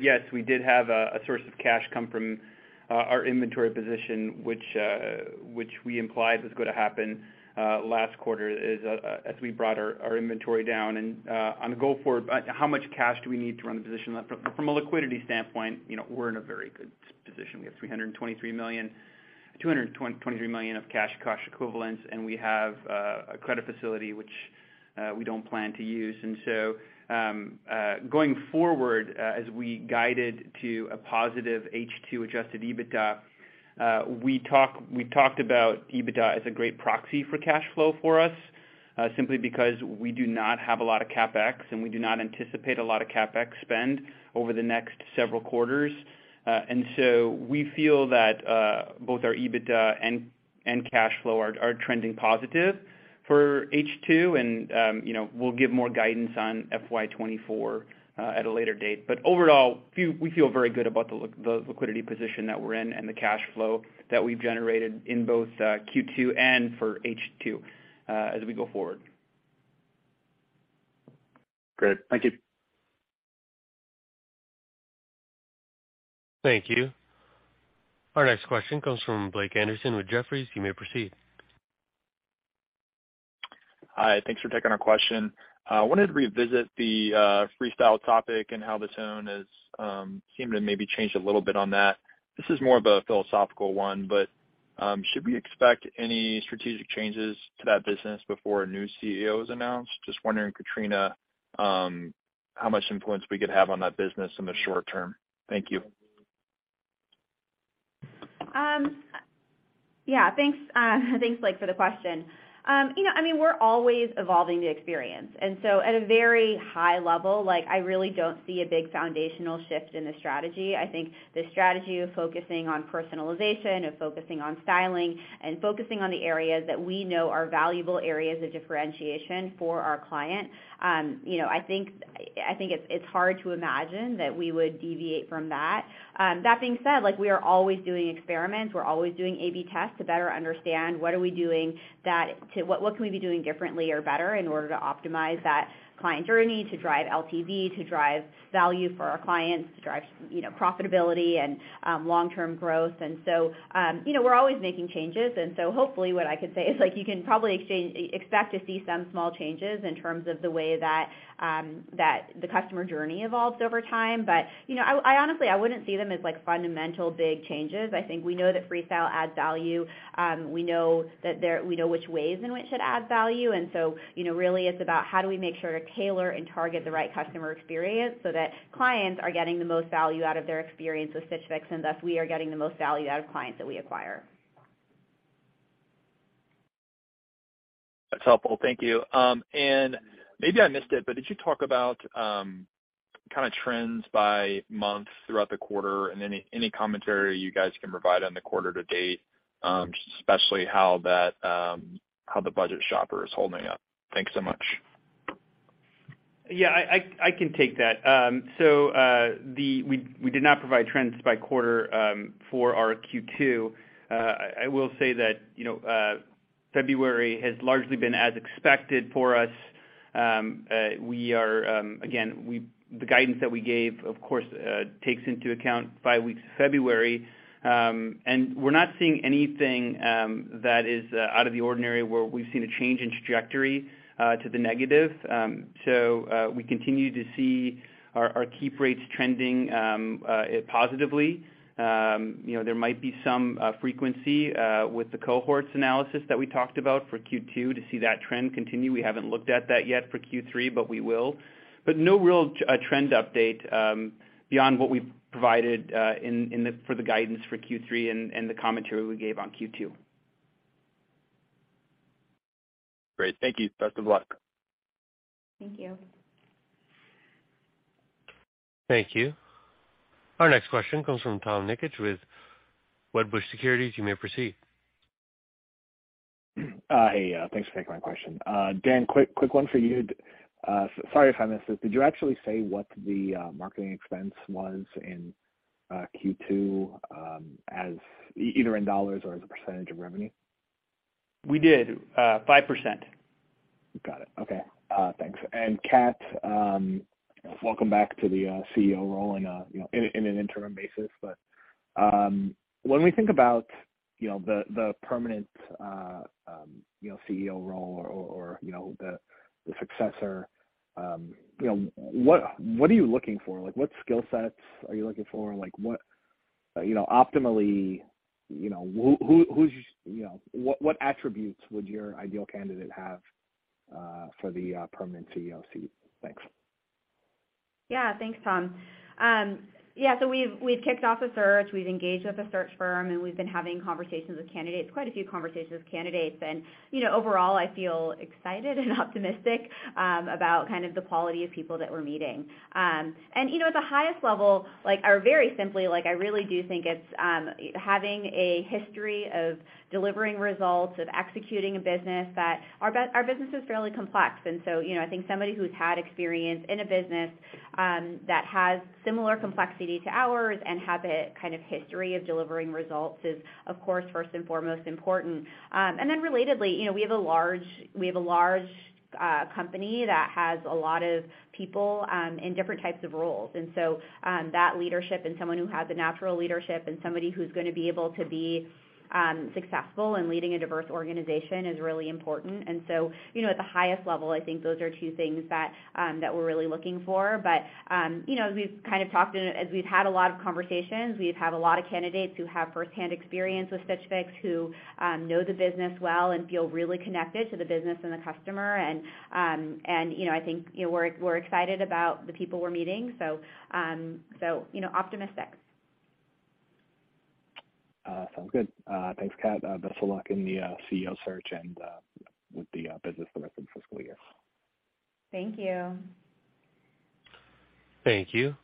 Yes, we did have a source of cash come from our inventory position, which we implied was gonna happen last quarter as we brought our inventory down. On the go forward, how much cash do we need to run the position? From a liquidity standpoint, you know, we're in a very good position. We have $223 million of cash equivalents, and we have a credit facility which we don't plan to use. Going forward, as we guided to a positive H2 adjusted EBITDA, we talked about EBITDA as a great proxy for cash flow for us, simply because we do not have a lot of CapEx, and we do not anticipate a lot of CapEx spend over the next several quarters. We feel that both our EBITDA and cash flow are trending positive for H2. You know, we'll give more guidance on FY2024 at a later date. Overall, we feel very good about the liquidity position that we're in and the cash flow that we've generated in both Q2 and for H2 as we go forward. Great. Thank you. Thank you. Our next question comes from Blake Anderson with Jefferies. You may proceed. Hi. Thanks for taking our question. I wanted to revisit the Freestyle topic and how the tone has seemed to maybe change a little bit on that. This is more of a philosophical one, but should we expect any strategic changes to that business before a new CEO is announced? Just wondering, Katrina, how much influence we could have on that business in the short term. Thank you. Yeah, thanks, Blake, for the question. You know, I mean, we're always evolving the experience. At a very high level, like I really don't see a big foundational shift in the strategy. I think the strategy of focusing on personalization, of focusing on styling, and focusing on the areas that we know are valuable areas of differentiation for our client, you know, I think, it's hard to imagine that we would deviate from that. That being said, like, we are always doing experiments. We're always doing A/B tests to better understand what can we be doing differently or better in order to optimize that client journey, to drive LTV, to drive value for our clients, to drive, you know, profitability and, long-term growth. You know, we're always making changes. Hopefully what I could say is, like, you can probably expect to see some small changes in terms of the way that the customer journey evolves over time. You know, I honestly, I wouldn't see them as like fundamental big changes. I think we know that Freestyle adds value. We know which ways in which it adds value. Really, it's about how do we make sure to tailor and target the right customer experience so that clients are getting the most value out of their experience with Stitch Fix, and thus we are getting the most value out of clients that we acquire. That's helpful. Thank you. Maybe I missed it, but did you talk about, kind of trends by month throughout the quarter and any commentary you guys can provide on the quarter to date, especially how the budget shopper is holding up? Thanks so much. Yeah, I can take that. We did not provide trends by quarter for our Q2. I will say that, you know, February has largely been as expected for us. We are again, the guidance that we gave, of course, takes into account five weeks of February. We're not seeing anything that is out of the ordinary where we've seen a change in trajectory to the negative. We continue to see our keep rates trending positively. You know, there might be some frequency with the cohorts analysis that we talked about for Q2 to see that trend continue. We haven't looked at that yet for Q3, but we will. No real trend update beyond what we've provided for the guidance for Q3 and the commentary we gave on Q2. Great. Thank you. Best of luck. Thank you. Thank you. Our next question comes from Tom Nikic with Wedbush Securities. You may proceed. Hey, thanks for taking my question. Dan, quick one for you. Sorry if I missed this. Did you actually say what the marketing expense was in Q2, as either in dollars or as a percentage of revenue? We did, 5%. Got it. Okay. Thanks. Kat, welcome back to the CEO role in, you know, in an interim basis. When we think about the permanent CEO role or the successor, what are you looking for? Like, what skill sets are you looking for? You know, optimally, what attributes would your ideal candidate have for the permanent CEO seat? Thanks. Yeah. Thanks, Tom. Yeah, we've kicked off a search. We've engaged with a search firm, and we've been having conversations with candidates, quite a few conversations with candidates. You know, overall, I feel excited and optimistic about kind of the quality of people that we're meeting. You know, at the highest level, like, or very simply, like, I really do think it's having a history of delivering results, of executing a business that... Our business is fairly complex, you know, I think somebody who's had experience in a business that has similar complexity to ours and have a kind of history of delivering results is, of course, first and foremost important. You know, we have a large company that has a lot of people in different types of roles. That leadership and someone who has a natural leadership and somebody who's gonna be able to be successful in leading a diverse organization is really important. You know, at the highest level, I think those are two things that we're really looking for. You know, as we've kind of talked and as we've had a lot of conversations, we've had a lot of candidates who have firsthand experience with Stitch Fix, who know the business well and feel really connected to the business and the customer. You know, I think, you know, we're excited about the people we're meeting, you know, we're optimistic. Sounds good. Thanks, Kat. Best of luck in the CEO search and with the business the rest of the fiscal year. Thank you. Thank you.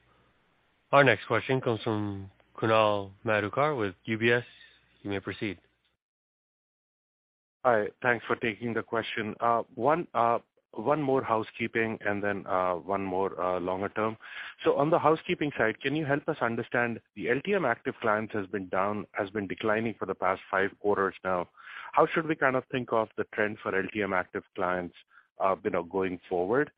Our next question comes from Kunal Madhukar with UBS. You may proceed. Hi. Thanks for taking the question. One more housekeeping and then, one more, longer term. On the housekeeping side, can you help us understand, the LTM active clients has been down, has been declining for the past five quarters now. How should we kind of think of the trend for LTM active clients, you know, going forward?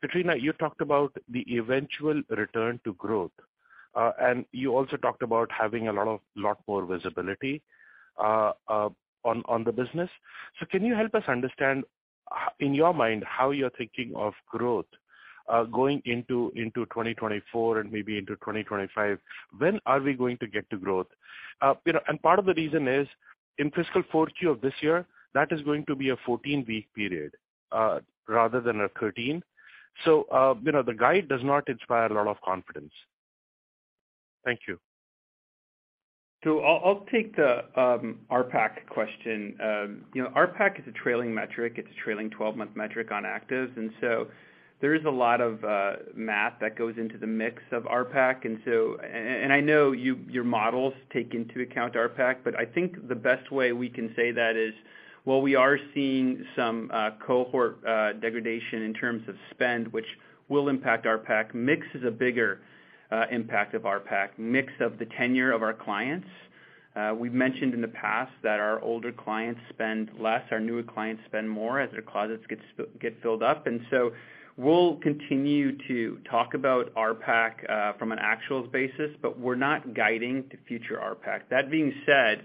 Katrina, you talked about the eventual return to growth, and you also talked about having a lot more visibility on the business. Can you help us understand, in your mind, how you're thinking of growth, going into 2024 and maybe into 2025? When are we going to get to growth? You know, part of the reason is in fiscal 4Q of this year, that is going to be a 14-week period, rather than a 13. You know, the guide does not inspire a lot of confidence. Thank you. I'll take the RPAC question. You know, RPAC is a trailing metric. It's a trailing 12-month metric on actives. There is a lot of math that goes into the mix of RPAC. I know your models take into account RPAC, but I think the best way we can say that is, while we are seeing some cohort degradation in terms of spend, which will impact RPAC, mix is a bigger impact of RPAC, mix of the tenure of our clients. We've mentioned in the past that our older clients spend less, our newer clients spend more as their closets get filled up. We'll continue to talk about RPAC from an actuals basis, but we're not guiding to future RPAC. That being said,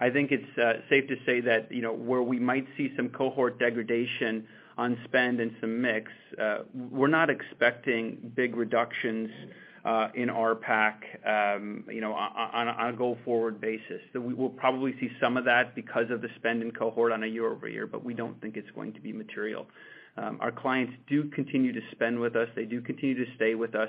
I think it's safe to say that, you know, where we might see some cohort degradation on spend and some mix, we're not expecting big reductions in RPAC, you know, on a go-forward basis. We will probably see some of that because of the spend in cohort on a year-over-year, but we don't think it's going to be material. Our clients do continue to spend with us. They do continue to stay with us.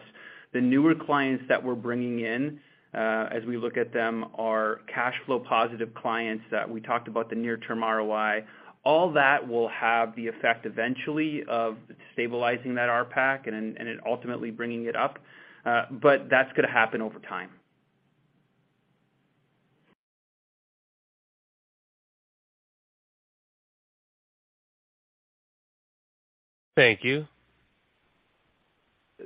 The newer clients that we're bringing in, as we look at them, are cash flow positive clients that we talked about the near term ROI. All that will have the effect eventually of stabilizing that RPAC and ultimately bringing it up. That's gonna happen over time. Thank you.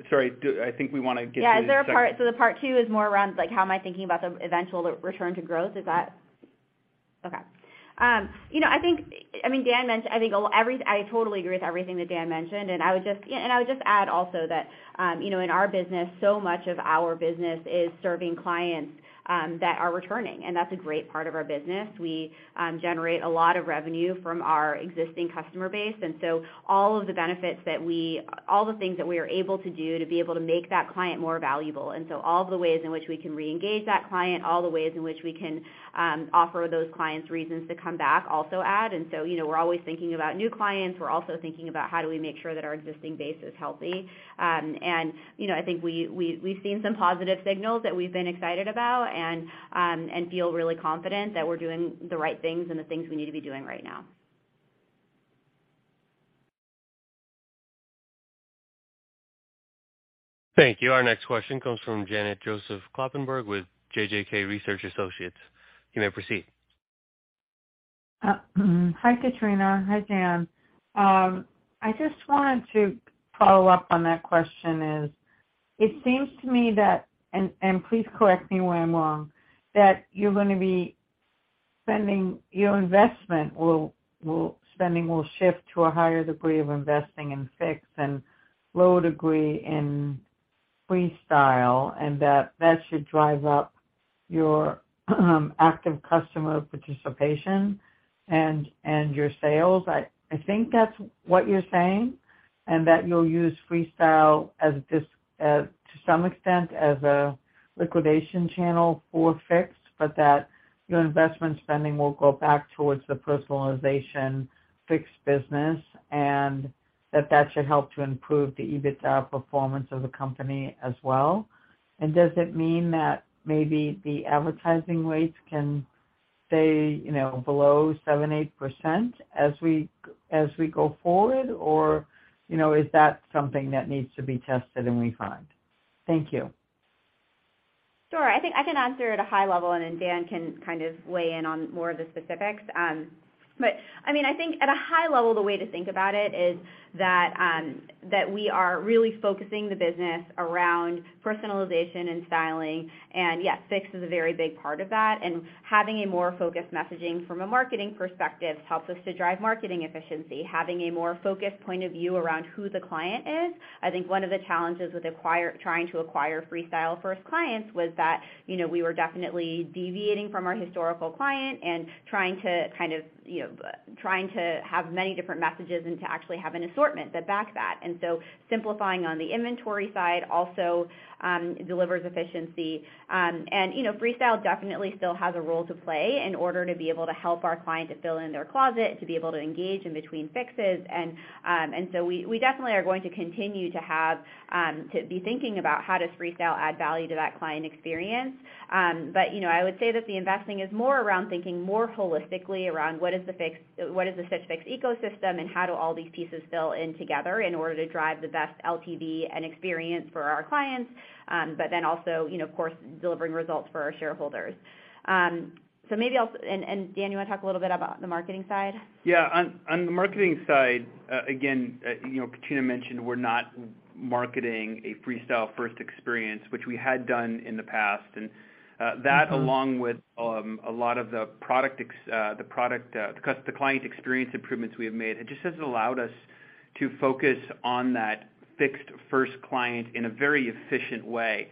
Sorry. I think we wanna get to the second- Yeah. Is there a part... The part two is more around like how am I thinking about the eventual return to growth. Is that... Okay. You know, I mean, Dan mentioned, I totally agree with everything that Dan mentioned. I would just add also that, you know, in our business, so much of our business is serving clients that are returning, and that's a great part of our business. We generate a lot of revenue from our existing customer base, and so all the things that we are able to do to be able to make that client more valuable, all of the ways in which we can reengage that client, all the ways in which we can offer those clients reasons to come back also add. You know, we're always thinking about new clients. We're also thinking about how do we make sure that our existing base is healthy. You know, I think we've seen some positive signals that we've been excited about and feel really confident that we're doing the right things and the things we need to be doing right now. Thank you. Our next question comes from Janet Joseph-Kloppenberg with JJK Research Associates. You may proceed. Hi, Katrina. Hi, Dan. I just wanted to follow up on that question is, it seems to me that, please correct me where I'm wrong, that spending will shift to a higher degree of investing in Fix and low degree in Freestyle, and that should drive up your active customer participation and your sales. I think that's what you're saying, that you'll use Freestyle as this, to some extent, as a liquidation channel for Fix, but that your investment spending will go back towards the personalization Fix business and that should help to improve the EBITDA performance of the company as well. Does it mean that maybe the advertising rates can stay, you know, below 7%, 8% as we go forward? You know, is that something that needs to be tested and refined? Thank you. Sure. I think I can answer at a high level, and then Dan can kind of weigh in on more of the specifics. I mean, I think at a high level, the way to think about it is that we are really focusing the business around personalization and styling. Yes, Fix is a very big part of that, and having a more focused messaging from a marketing perspective helps us to drive marketing efficiency. Having a more focused point of view around who the client is. I think one of the challenges with trying to acquire Freestyle first clients was that, you know, we were definitely deviating from our historical client and trying to kind of, you know, trying to have many different messages and to actually have an assortment that backs that. Simplifying on the inventory side also delivers efficiency. You know, Freestyle definitely still has a role to play in order to be able to help our client to fill in their closet, to be able to engage in between Fixes. We definitely are going to continue to have to be thinking about how does Freestyle add value to that client experience. You know, I would say that the investing is more around thinking more holistically around what is the Stitch Fix ecosystem, and how do all these pieces fill in together in order to drive the best LTV and experience for our clients. Also, you know, of course, delivering results for our shareholders. Maybe Dan, you wanna talk a little bit about the marketing side? On the marketing side, again, you know, Katrina mentioned we're not marketing a Freestyle first experience, which we had done in the past. That along with a lot of the product, the client experience improvements we have made, it just has allowed us to focus on that Fix first client in a very efficient way.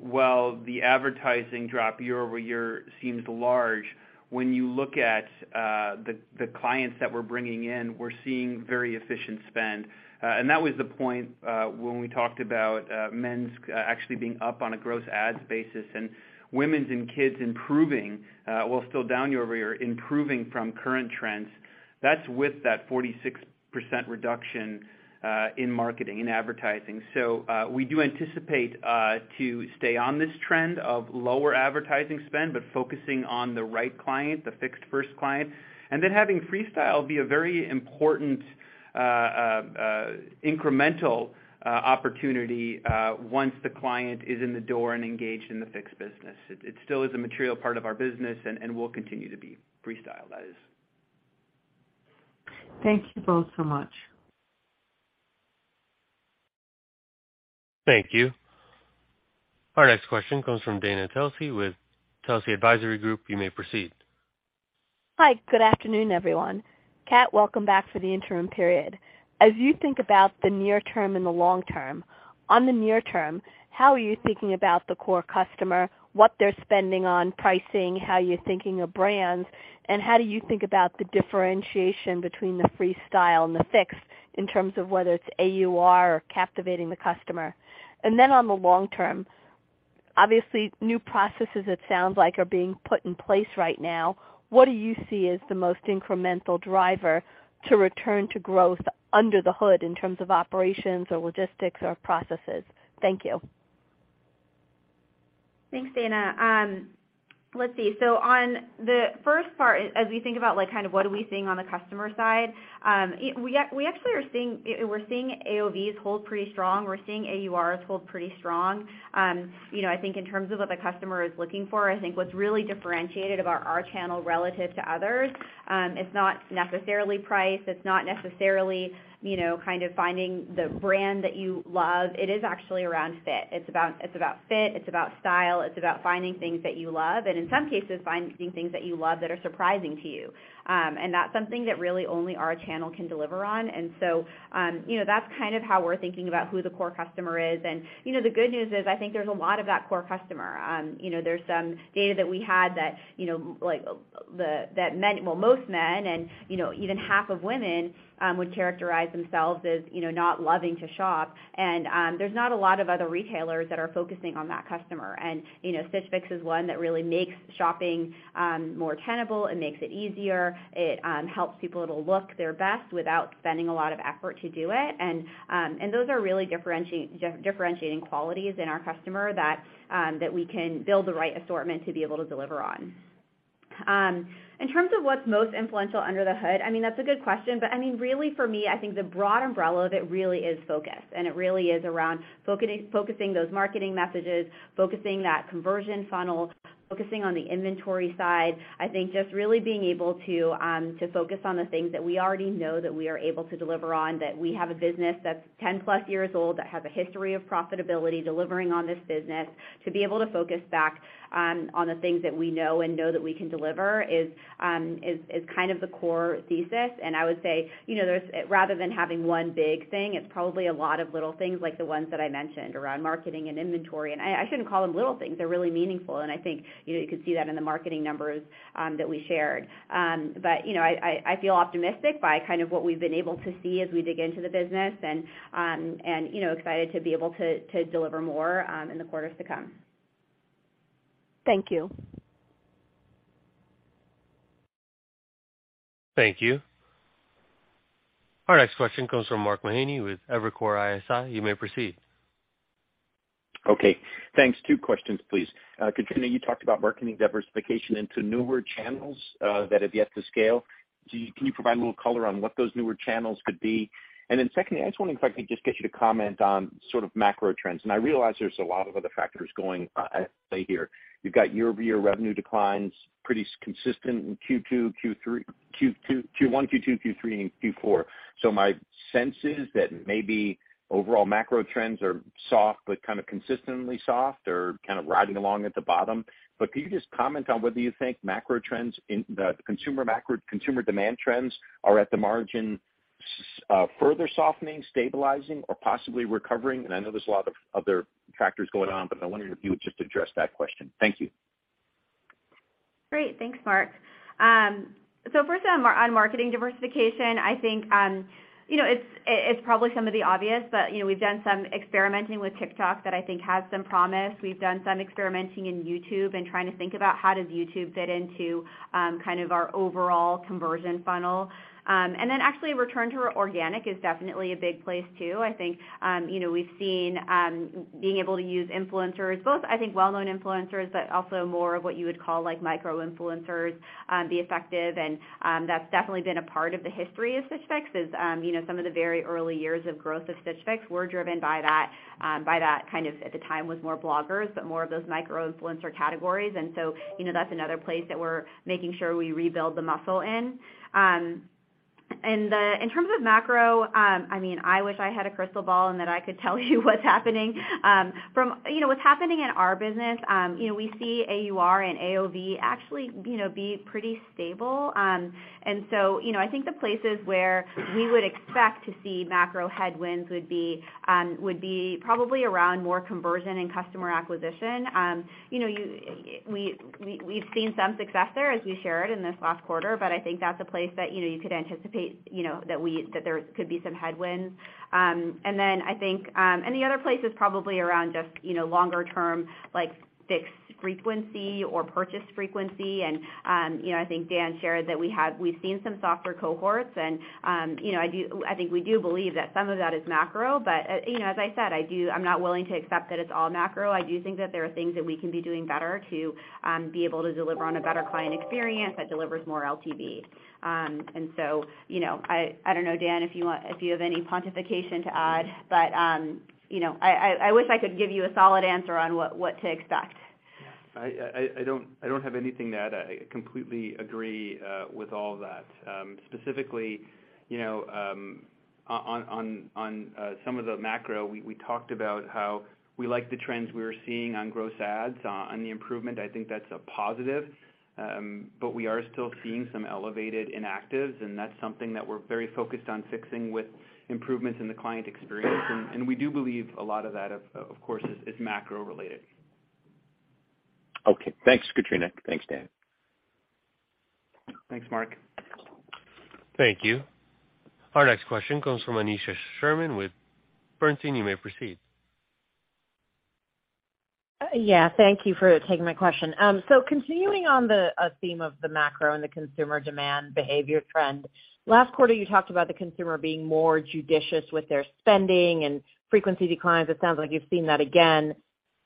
While the advertising drop year-over-year seems large, when you look at the clients that we're bringing in, we're seeing very efficient spend. That was the point when we talked about men's actually being up on a gross adds basis and women's and kids improving, while still down year-over-year, improving from current trends. That's with that 46% reduction in marketing and advertising. We do anticipate to stay on this trend of lower advertising spend, focusing on the right client, the Fix first client, and then having Freestyle be a very important incremental opportunity once the client is in the door and engaged in the Fix business. It still is a material part of our business and will continue to be. Freestyle, that is. Thank you both so much. Thank you. Our next question comes from Dana Telsey with Telsey Advisory Group. You may proceed. Hi. Good afternoon, everyone. Kat, welcome back for the interim period. As you think about the near term and the long term, on the near term, how are you thinking about the core customer, what they're spending on pricing, how you're thinking of brands, and how do you think about the differentiation between the Freestyle and the Fix in terms of whether it's AUR or captivating the customer? On the long term, obviously, new processes, it sounds like, are being put in place right now. What do you see as the most incremental driver to return to growth under the hood in terms of operations or logistics or processes? Thank you. Thanks, Dana. Let's see. On the first part, as we think about, like, kind of what are we seeing on the customer side, we actually are seeing AOV hold pretty strong. We're seeing AURs hold pretty strong. You know, I think in terms of what the customer is looking for, I think what's really differentiated about our channel relative to others, it's not necessarily price. It's not necessarily, you know, kind of finding the brand that you love. It is actually around fit. It's about fit, it's about style, it's about finding things that you love, and in some cases, finding things that you love that are surprising to you. That's something that really only our channel can deliver on. You know, that's kind of how we're thinking about who the core customer is. You know, the good news is, I think there's a lot of that core customer. You know, there's some data that we had that, you know, like, well, most men and, you know, even half of women, would characterize themselves as, you know, not loving to shop. There's not a lot of other retailers that are focusing on that customer. You know, Stitch Fix is one that really makes shopping, more tenable. It makes it easier. It, helps people to look their best without spending a lot of effort to do it. Those are really differentiating qualities in our customer that we can build the right assortment to be able to deliver on. In terms of what's most influential under the hood, I mean, that's a good question. I mean, really for me, I think the broad umbrella of it really is focus, and it really is around focusing those marketing messages, focusing that conversion funnel, focusing on the inventory side. I think just really being able to focus on the things that we already know that we are able to deliver on, that we have a business that's 10-plus years old, that has a history of profitability, delivering on this business. To be able to focus back on the things that we know and know that we can deliver is kind of the core thesis. I would say, you know, rather than having one big thing, it's probably a lot of little things like the ones that I mentioned around marketing and inventory. I shouldn't call them little things. They're really meaningful, and I think, you know, you could see that in the marketing numbers that we shared. You know, I, I feel optimistic by kind of what we've been able to see as we dig into the business and, you know, excited to be able to deliver more in the quarters to come. Thank you. Thank you. Our next question comes from Mark Mahaney with Evercore ISI. You may proceed. Okay. Thanks. Two questions, please. Katrina, you talked about marketing diversification into newer channels that have yet to scale. Can you provide a little color on what those newer channels could be? Secondly, I was wondering if I could just get you to comment on sort of macro trends. I realize there's a lot of other factors going at play here. You've got year-over-year revenue declines, pretty consistent in Q1, Q2, Q3, and Q4. My sense is that maybe overall macro trends are soft but kind of consistently soft or kind of riding along at the bottom. Can you just comment on whether you think macro trends in the consumer demand trends are at the margin further softening, stabilizing, or possibly recovering? I know there's a lot of other factors going on, but I wonder if you would just address that question. Thank you. Great. Thanks, Mark. First on marketing diversification, I think, you know, it's probably some of the obvious, but, you know, we've done some experimenting with TikTok that I think has some promise. We've done some experimenting in YouTube and trying to think about how does YouTube fit into kind of our overall conversion funnel. Actually return to organic is definitely a big place too. I think, you know, we've seen being able to use influencers, both I think well-known influencers, but also more of what you would call like micro-influencers, be effective. That's definitely been a part of the history of Stitch Fix is, you know, some of the very early years of growth of Stitch Fix were driven by that, by that kind of, at the time, was more bloggers, but more of those micro-influencer categories. You know, that's another place that we're making sure we rebuild the muscle in. In terms of macro, I mean, I wish I had a crystal ball and that I could tell you what's happening. From, you know, what's happening in our business, you know, we see AUR and AOV actually, you know, be pretty stable. You know, I think the places where we would expect to see macro headwinds would be, would be probably around more conversion and customer acquisition. You know, we've seen some success there as we shared in this last quarter, but I think that's a place that, you know, you could anticipate, you know, that there could be some headwinds. I think, and the other place is probably around just, you know, longer term, like Fix frequency or purchase frequency. You know, I think Dan shared that we've seen some softer cohorts and, you know, I think we do believe that some of that is macro, but, you know, as I said, I'm not willing to accept that it's all macro. I do think that there are things that we can be doing better to be able to deliver on a better client experience that delivers more LTV. You know, I don't know, Dan, if you have any pontification to add, but, you know, I wish I could give you a solid answer on what to expect. I don't have anything to add. I completely agree with all that. Specifically, you know, on some of the macro, we talked about how we like the trends we were seeing on gross adds on the improvement. I think that's a positive. We are still seeing some elevated inactives, and that's something that we're very focused on fixing with improvements in the client experience. We do believe a lot of that of course is macro related. Okay. Thanks, Katrina. Thanks, Dan. Thanks, Mark. Thank you. Our next question comes from Aneesha Sherman with Bernstein. You may proceed. Yeah. Thank you for taking my question. Continuing on the theme of the macro and the consumer demand behavior trend, last quarter, you talked about the consumer being more judicious with their spending and frequency declines. It sounds like you've seen that again.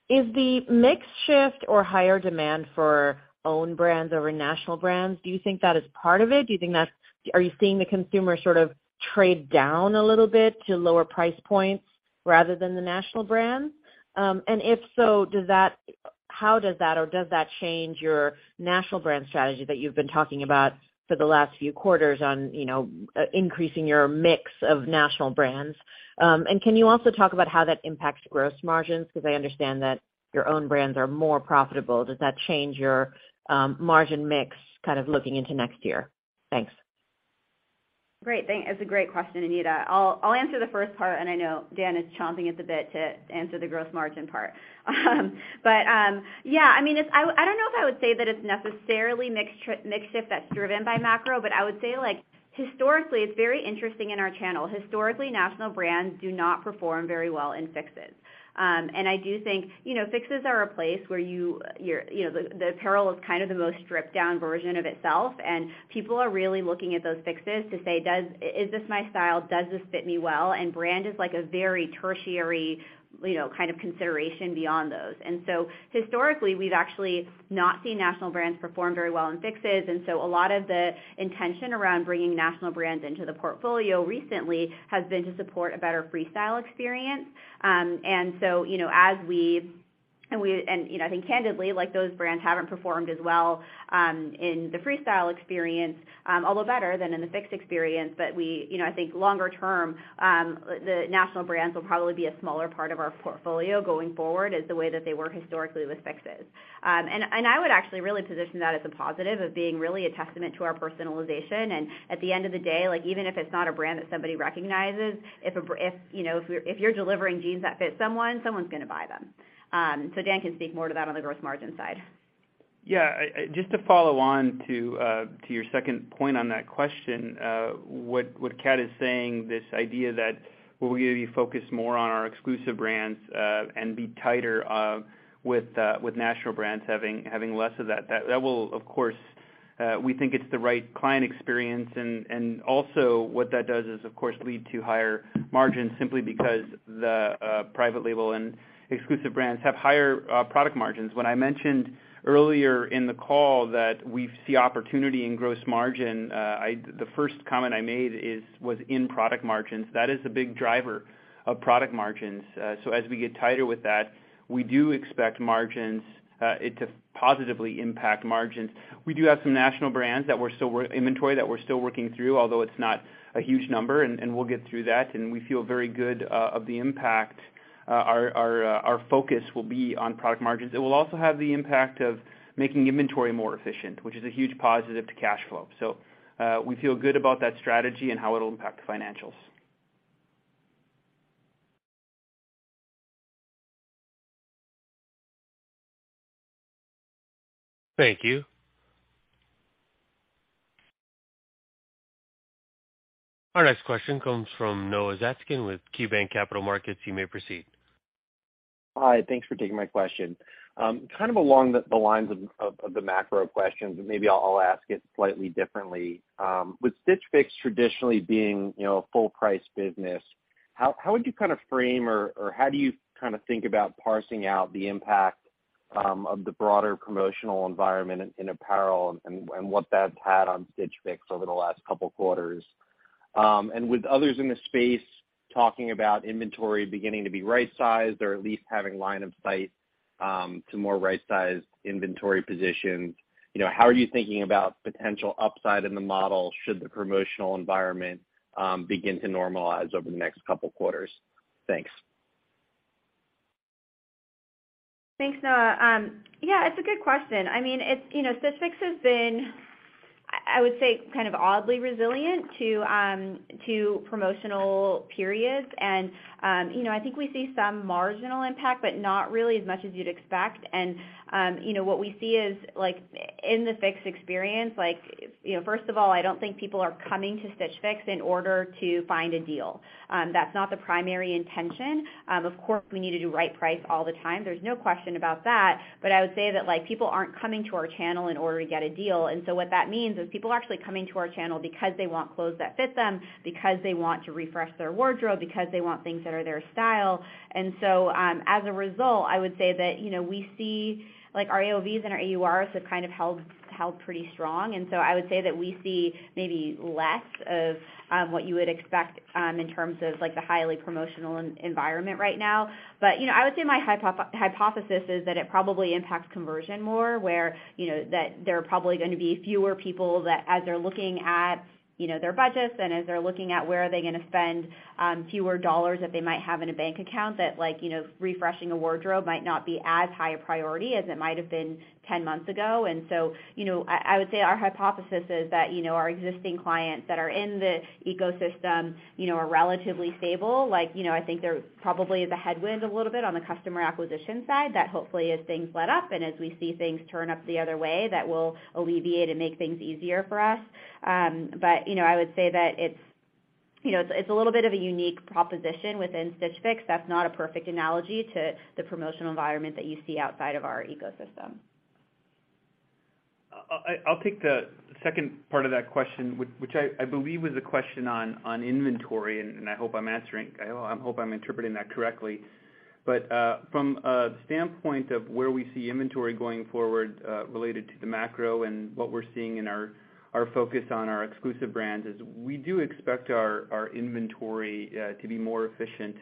Is the mix shift or higher demand for own brands over national brands, do you think that is part of it? Are you seeing the consumer sort of trade down a little bit to lower price points rather than the national brands? If so, how does that or does that change your national brand strategy that you've been talking about for the last few quarters on, you know, increasing your mix of national brands? Can you also talk about how that impacts gross margins? Because I understand that your own brands are more profitable. Does that change your margin mix kind of looking into next year? Thanks. Great, that's a great question, Aneesha. I'll answer the first part, and I know Dan is chomping at the bit to answer the gross margin part. Yeah, I mean, I don't know if I would say that it's necessarily mix shift that's driven by macro, but I would say, like, historically, it's very interesting in our channel. Historically, national brands do not perform very well in Fixes. I do think, you know, Fixes are a place where you're, you know, the apparel is kind of the most stripped down version of itself, and people are really looking at those Fixes to say, is this my style? Does this fit me well? Brand is like a very tertiary, you know, kind of consideration beyond those. Historically, we've actually not seen national brands perform very well in Fixes. A lot of the intention around bringing national brands into the portfolio recently has been to support a better Freestyle experience. You know, I think candidly, like, those brands haven't performed as well, in the Freestyle experience, although better than in the Fix experience. We, you know, I think longer term, the national brands will probably be a smaller part of our portfolio going forward as the way that they work historically with Fixes. I would actually really position that as a positive of being really a testament to our personalization. At the end of the day, like, even if it's not a brand that somebody recognizes, if, you know, if you're delivering jeans that fit someone's gonna buy them. Dan can speak more to that on the gross margin side. Yeah. Just to follow on to your second point on that question, what Kat is saying, this idea that we're gonna be focused more on our exclusive brands, and be tighter with national brands having less of that will, of course, we think it's the right client experience. Also what that does is of course lead to higher margins simply because the private label and exclusive brands have higher product margins. When I mentioned earlier in the call that we see opportunity in gross margin, the first comment I made was in product margins. That is a big driver of product margins. As we get tighter with that, we do expect margins to positively impact margins. We do have some national brands that we're still inventory that we're still working through, although it's not a huge number, and we'll get through that, and we feel very good of the impact. Our focus will be on product margins. It will also have the impact of making inventory more efficient, which is a huge positive to cash flow. We feel good about that strategy and how it'll impact financials. Thank you. Our next question comes from Noah Zatzkin with KeyBanc Capital Markets. You may proceed. Hi. Thanks for taking my question. Kind of along the lines of the macro questions, maybe I'll ask it slightly differently. With Stitch Fix traditionally being, you know, a full price business, how would you kind of frame or how do you kind of think about parsing out the impact of the broader promotional environment in apparel and what that's had on Stitch Fix over the last couple quarters? With others in the space talking about inventory beginning to be right-sized or at least having line of sight to more right-sized inventory positions, you know, how are you thinking about potential upside in the model, should the promotional environment begin to normalize over the next couple quarters? Thanks. Thanks, Noah. Yeah, it's a good question. I mean, it's, you know, Stitch Fix has been, I would say, kind of oddly resilient to promotional periods. You know, I think we see some marginal impact, but not really as much as you'd expect. You know, what we see is like in the Fixed experience, like, you know, first of all, I don't think people are coming to Stitch Fix in order to find a deal. That's not the primary intention. Of course, we need to do right price all the time. There's no question about that. I would say that, like, people aren't coming to our channel in order to get a deal. What that means is people are actually coming to our channel because they want clothes that fit them, because they want to refresh their wardrobe, because they want things that are their style. As a result, I would say that, you know, we see like our AOV and our AURs have kind of held pretty strong. I would say that we see maybe less of what you would expect in terms of like the highly promotional environment right now. You know, I would say my hypothesis is that it probably impacts conversion more, where, you know, that there are probably gonna be fewer people that as they're looking at, you know, their budgets and as they're looking at where are they gonna spend, fewer dollars that they might have in a bank account that like, you know, refreshing a wardrobe might not be as high a priority as it might have been 10 months ago. You know, I would say our hypothesis is that, you know, our existing clients that are in the ecosystem, you know, are relatively stable. Like, you know, I think there probably is a headwind a little bit on the customer acquisition side that hopefully as things let up and as we see things turn up the other way, that will alleviate and make things easier for us. You know, I would say that it's a little bit of a unique proposition within Stitch Fix. That's not a perfect analogy to the promotional environment that you see outside of our ecosystem. I'll take the second part of that question, which I believe was a question on inventory, and I hope I'm answering, I hope I'm interpreting that correctly. From a standpoint of where we see inventory going forward, related to the macro and what we're seeing in our focus on our exclusive brands is we do expect our inventory to be more efficient.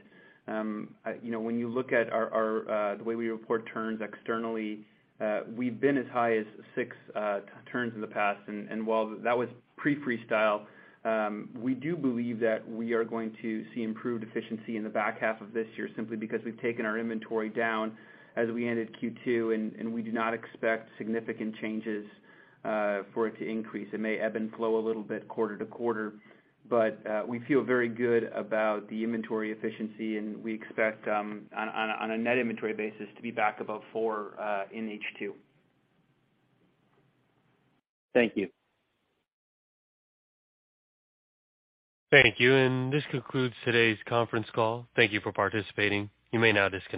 You know, when you look at the way we report turns externally, we've been as high as 6 turns in the past. While that was pre-Freestyle, we do believe that we are going to see improved efficiency in the back half of this year simply because we've taken our inventory down as we ended Q2, and we do not expect significant changes for it to increase. It may ebb and flow a little bit quarter-to-quarter, but we feel very good about the inventory efficiency, and we expect on a net inventory basis to be back above 4 in H2. Thank you. Thank you. This concludes today's conference call. Thank you for participating. You may now disconnect.